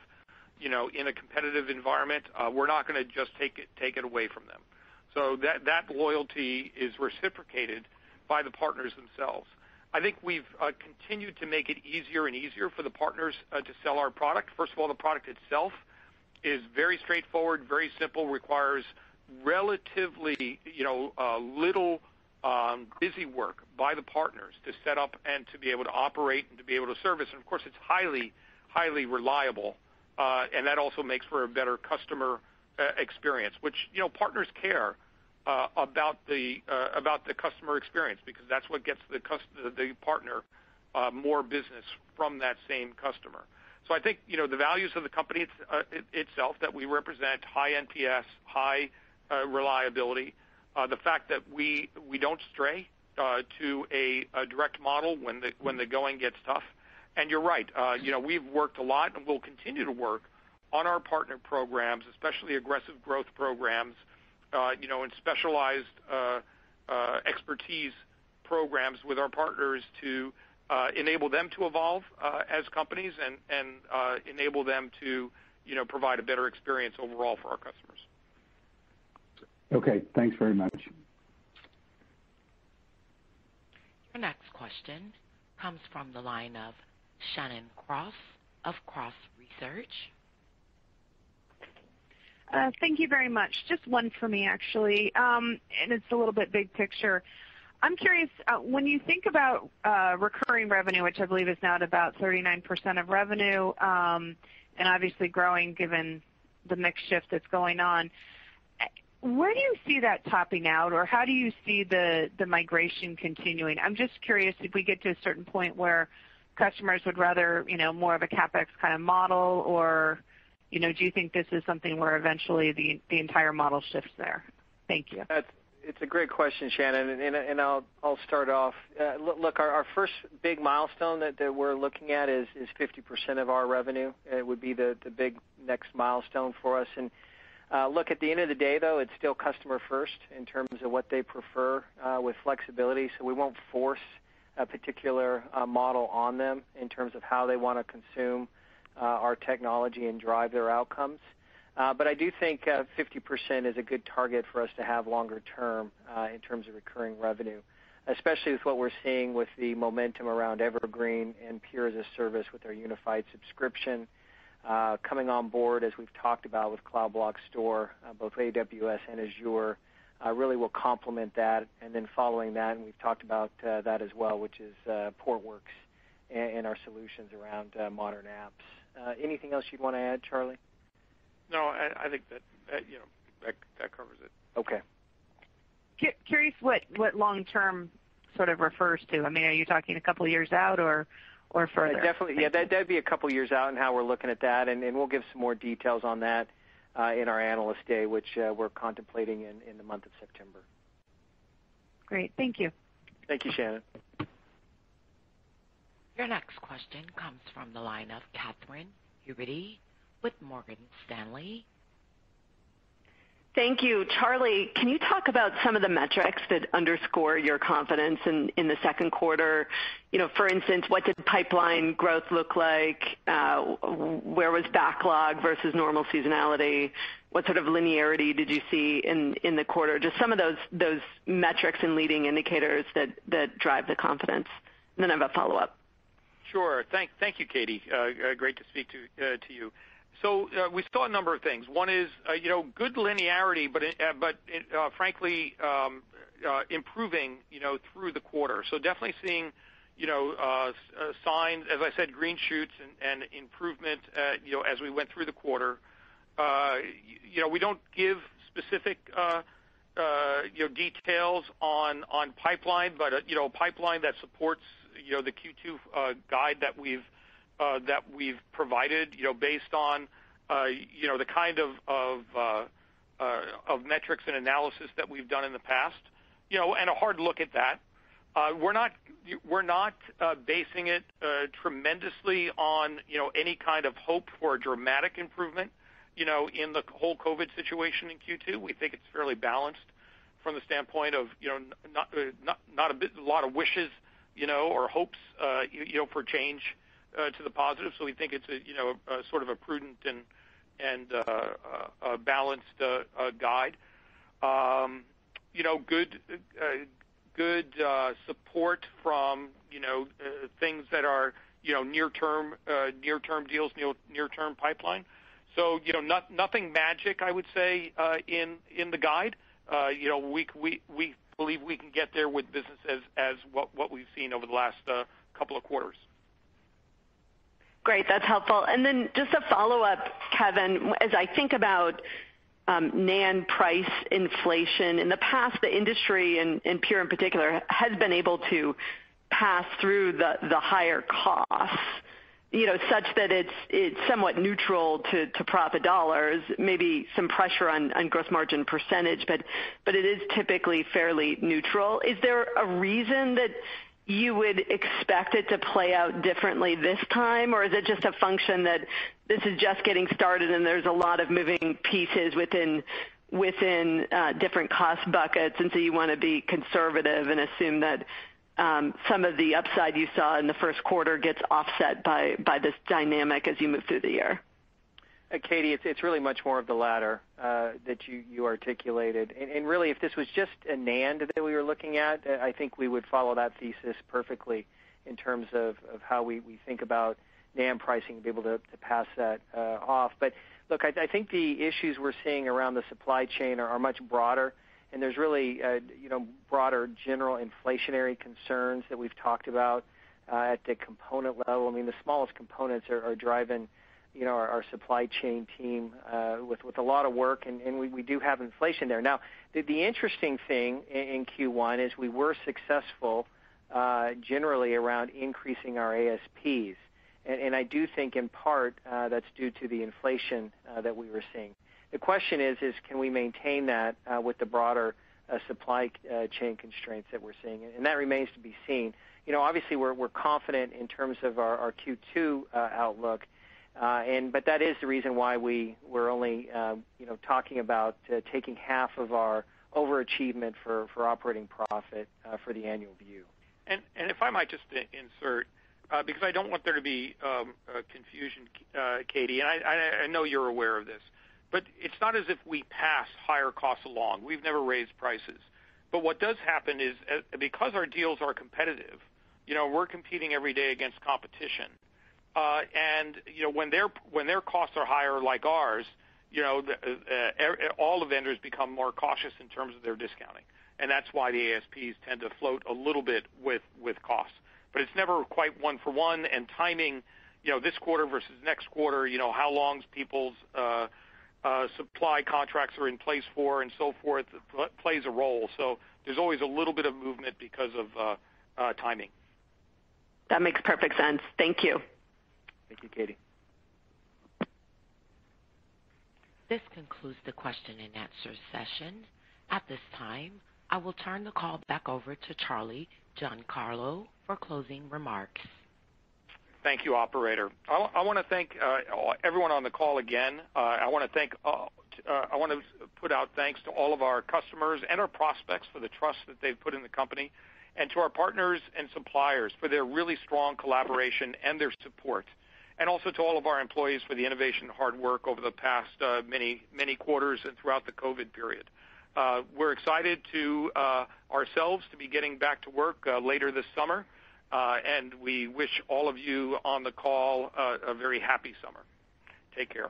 in a competitive environment, we're not going to just take it away from them. That loyalty is reciprocated by the partners themselves. I think we've continued to make it easier and easier for the partners to sell our product. First of all, the product itself is very straightforward, very simple, requires relatively little busy work by the partners to set up and to be able to operate and to be able to service. Of course, it's highly-highly reliable, that also makes for a better customer experience, which partners care about the customer experience, because that's what gets the partner more business from that same customer. I think, the values of the company itself, that we represent high NPS, high reliability, the fact that we don't stray to a direct model when the going gets tough. You're right, we've worked a lot, and we'll continue to work on our partner programs, especially aggressive growth programs, and specialized expertise programs with our partners to enable them to evolve as companies and enable them to provide a better experience overall for our customers. Okay. Thanks very much. Your next question comes from the line of Shannon Cross of Cross Research. Thank you very much. Just one for me, actually. It's a little bit big picture. I'm curious, when you think about recurring revenue, which I believe is now about 39% of revenue, and obviously growing given the mix shift that's going on, where do you see that topping out? How do you see the migration continuing? I'm just curious if we get to a certain point where customers would rather more of a CapEx kind of model, or do you think this is something where eventually the entire model shifts there? Thank you. It's a great question, Shannon. I'll start off. Look, our first big milestone that we're looking at is 50% of our revenue. It would be the big next milestone for us. Look, at the end of the day, though, it's still customer first in terms of what they prefer with flexibility. We won't force a particular model on them in terms of how they want to consume our technology and drive their outcomes. I do think 50% is a good target for us to have longer term in terms of recurring revenue, especially with what we're seeing with the momentum around Evergreen and Pure as-a-Service with our unified subscription coming on board, as we've talked about with Cloud Block Store, both AWS and Azure really will complement that. Following that, and we've talked about that as well, which is Portworx and our solutions around modern apps. Anything else you want to add, Charlie? No, I think that covers it. Okay. Curious what long term sort of refers to. Are you talking a couple of years out or further? Definitely. That'd be a couple of years out in how we're looking at that, and maybe we'll give some more details on that in our Analyst Day, which we're contemplating in the month of September. Great. Thank you. Thank you, Shannon. Your next question comes from the line of Katy Huberty with Morgan Stanley. Thank you. Charlie, can you talk about some of the metrics that underscore your confidence in the second quarter? For instance, what does pipeline growth look like? Where was backlog versus normal seasonality? What sort of linearity did you see in the quarter? Just some of those metrics and leading indicators that drive the confidence. I have a follow-up. Sure. Thank you, Katy. Great to speak to you. We saw a number of things. One is good linearity, but frankly, improving through the quarter. We're definitely seeing signs, as I said, green shoots and improvement as we went through the quarter. We don't give specific details on pipeline, but a pipeline that supports the Q2 guide that we've provided based on the kind of metrics and analysis that we've done in the past, and a hard look at that. We're not basing it tremendously on any kind of hope for a dramatic improvement in the whole COVID-19 situation in Q2. We think it's fairly balanced from the standpoint of not a lot of wishes or hopes for change to the positive. We think it's a sort of a prudent and a balanced guide. There's good support from things that are near-term deals, near-term pipeline. Nothing magic, I would say, in the guide. We believe we can get there with business as what we've seen over the last couple of quarters. Great. That's helpful. Just a follow-up, Kevan Krysler. As I think about NAND price inflation, in the past, the industry, and Pure in particular, has been able to pass through the higher costs such that it's somewhat neutral to profit dollars, maybe some pressure on gross margin percentage, but it is typically fairly neutral. Is there a reason that you would expect it to play out differently this time? Is it just a function that this is just getting started and there's a lot of moving pieces within different cost buckets, and so you want to be conservative and assume that some of the upside you saw in the first quarter gets offset by this dynamic as you move through the year? Katy, it's really much more of the latter that you articulated. Really, if this was just a NAND that we were looking at, I think we would follow that thesis perfectly in terms of how we think about NAND pricing to be able to pass that off. Look, I think the issues we're seeing around the supply chain are much broader, and there's really broader general inflationary concerns that we've talked about. The smallest components are driving our supply chain team with a lot of work, and we do have inflation there. Now, the interesting thing in Q1 is we were successful generally around increasing our ASPs. I do think in part that's due to the inflation that we were seeing. The question is can we maintain that with the broader supply chain constraints that we're seeing, and that remains to be seen. Obviously, we're confident in terms of our Q2 outlook, that is the reason why we were only talking about taking half of our overachievement for operating profit for the annual view. If I might just insert, because I don't want there to be confusion, Katy, and I know you're aware of this, but it's not as if we pass higher costs along. We've never raised prices. What does happen is, because our deals are competitive, we're competing every day against competition. When their costs are higher like ours, all the vendors become more cautious in terms of their discounting. That's why the ASPs tend to float a little bit with costs. It's never quite one for one, and timing this quarter versus next quarter, how long people's supply contracts are in place for and so forth, plays a role. There's always a little bit of movement because of timing. That makes perfect sense. Thank you. Thank you, Katy. This concludes the question-and-answer session. At this time, I will turn the call back over to Charlie Giancarlo for closing remarks. Thank you, operator. I want to thank everyone on the call again. I want to put out thanks to all of our customers and our prospects for the trust that they've put in the company, and to our partners and suppliers for their really strong collaboration and their support. Also to all of our employees for the innovation and hard work over the past many quarters and throughout the COVID period. We're excited ourselves to be getting back to work later this summer. We wish all of you on the call a very happy summer. Take care.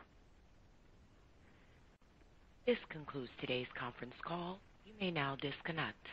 This concludes today's conference call. You may now disconnect.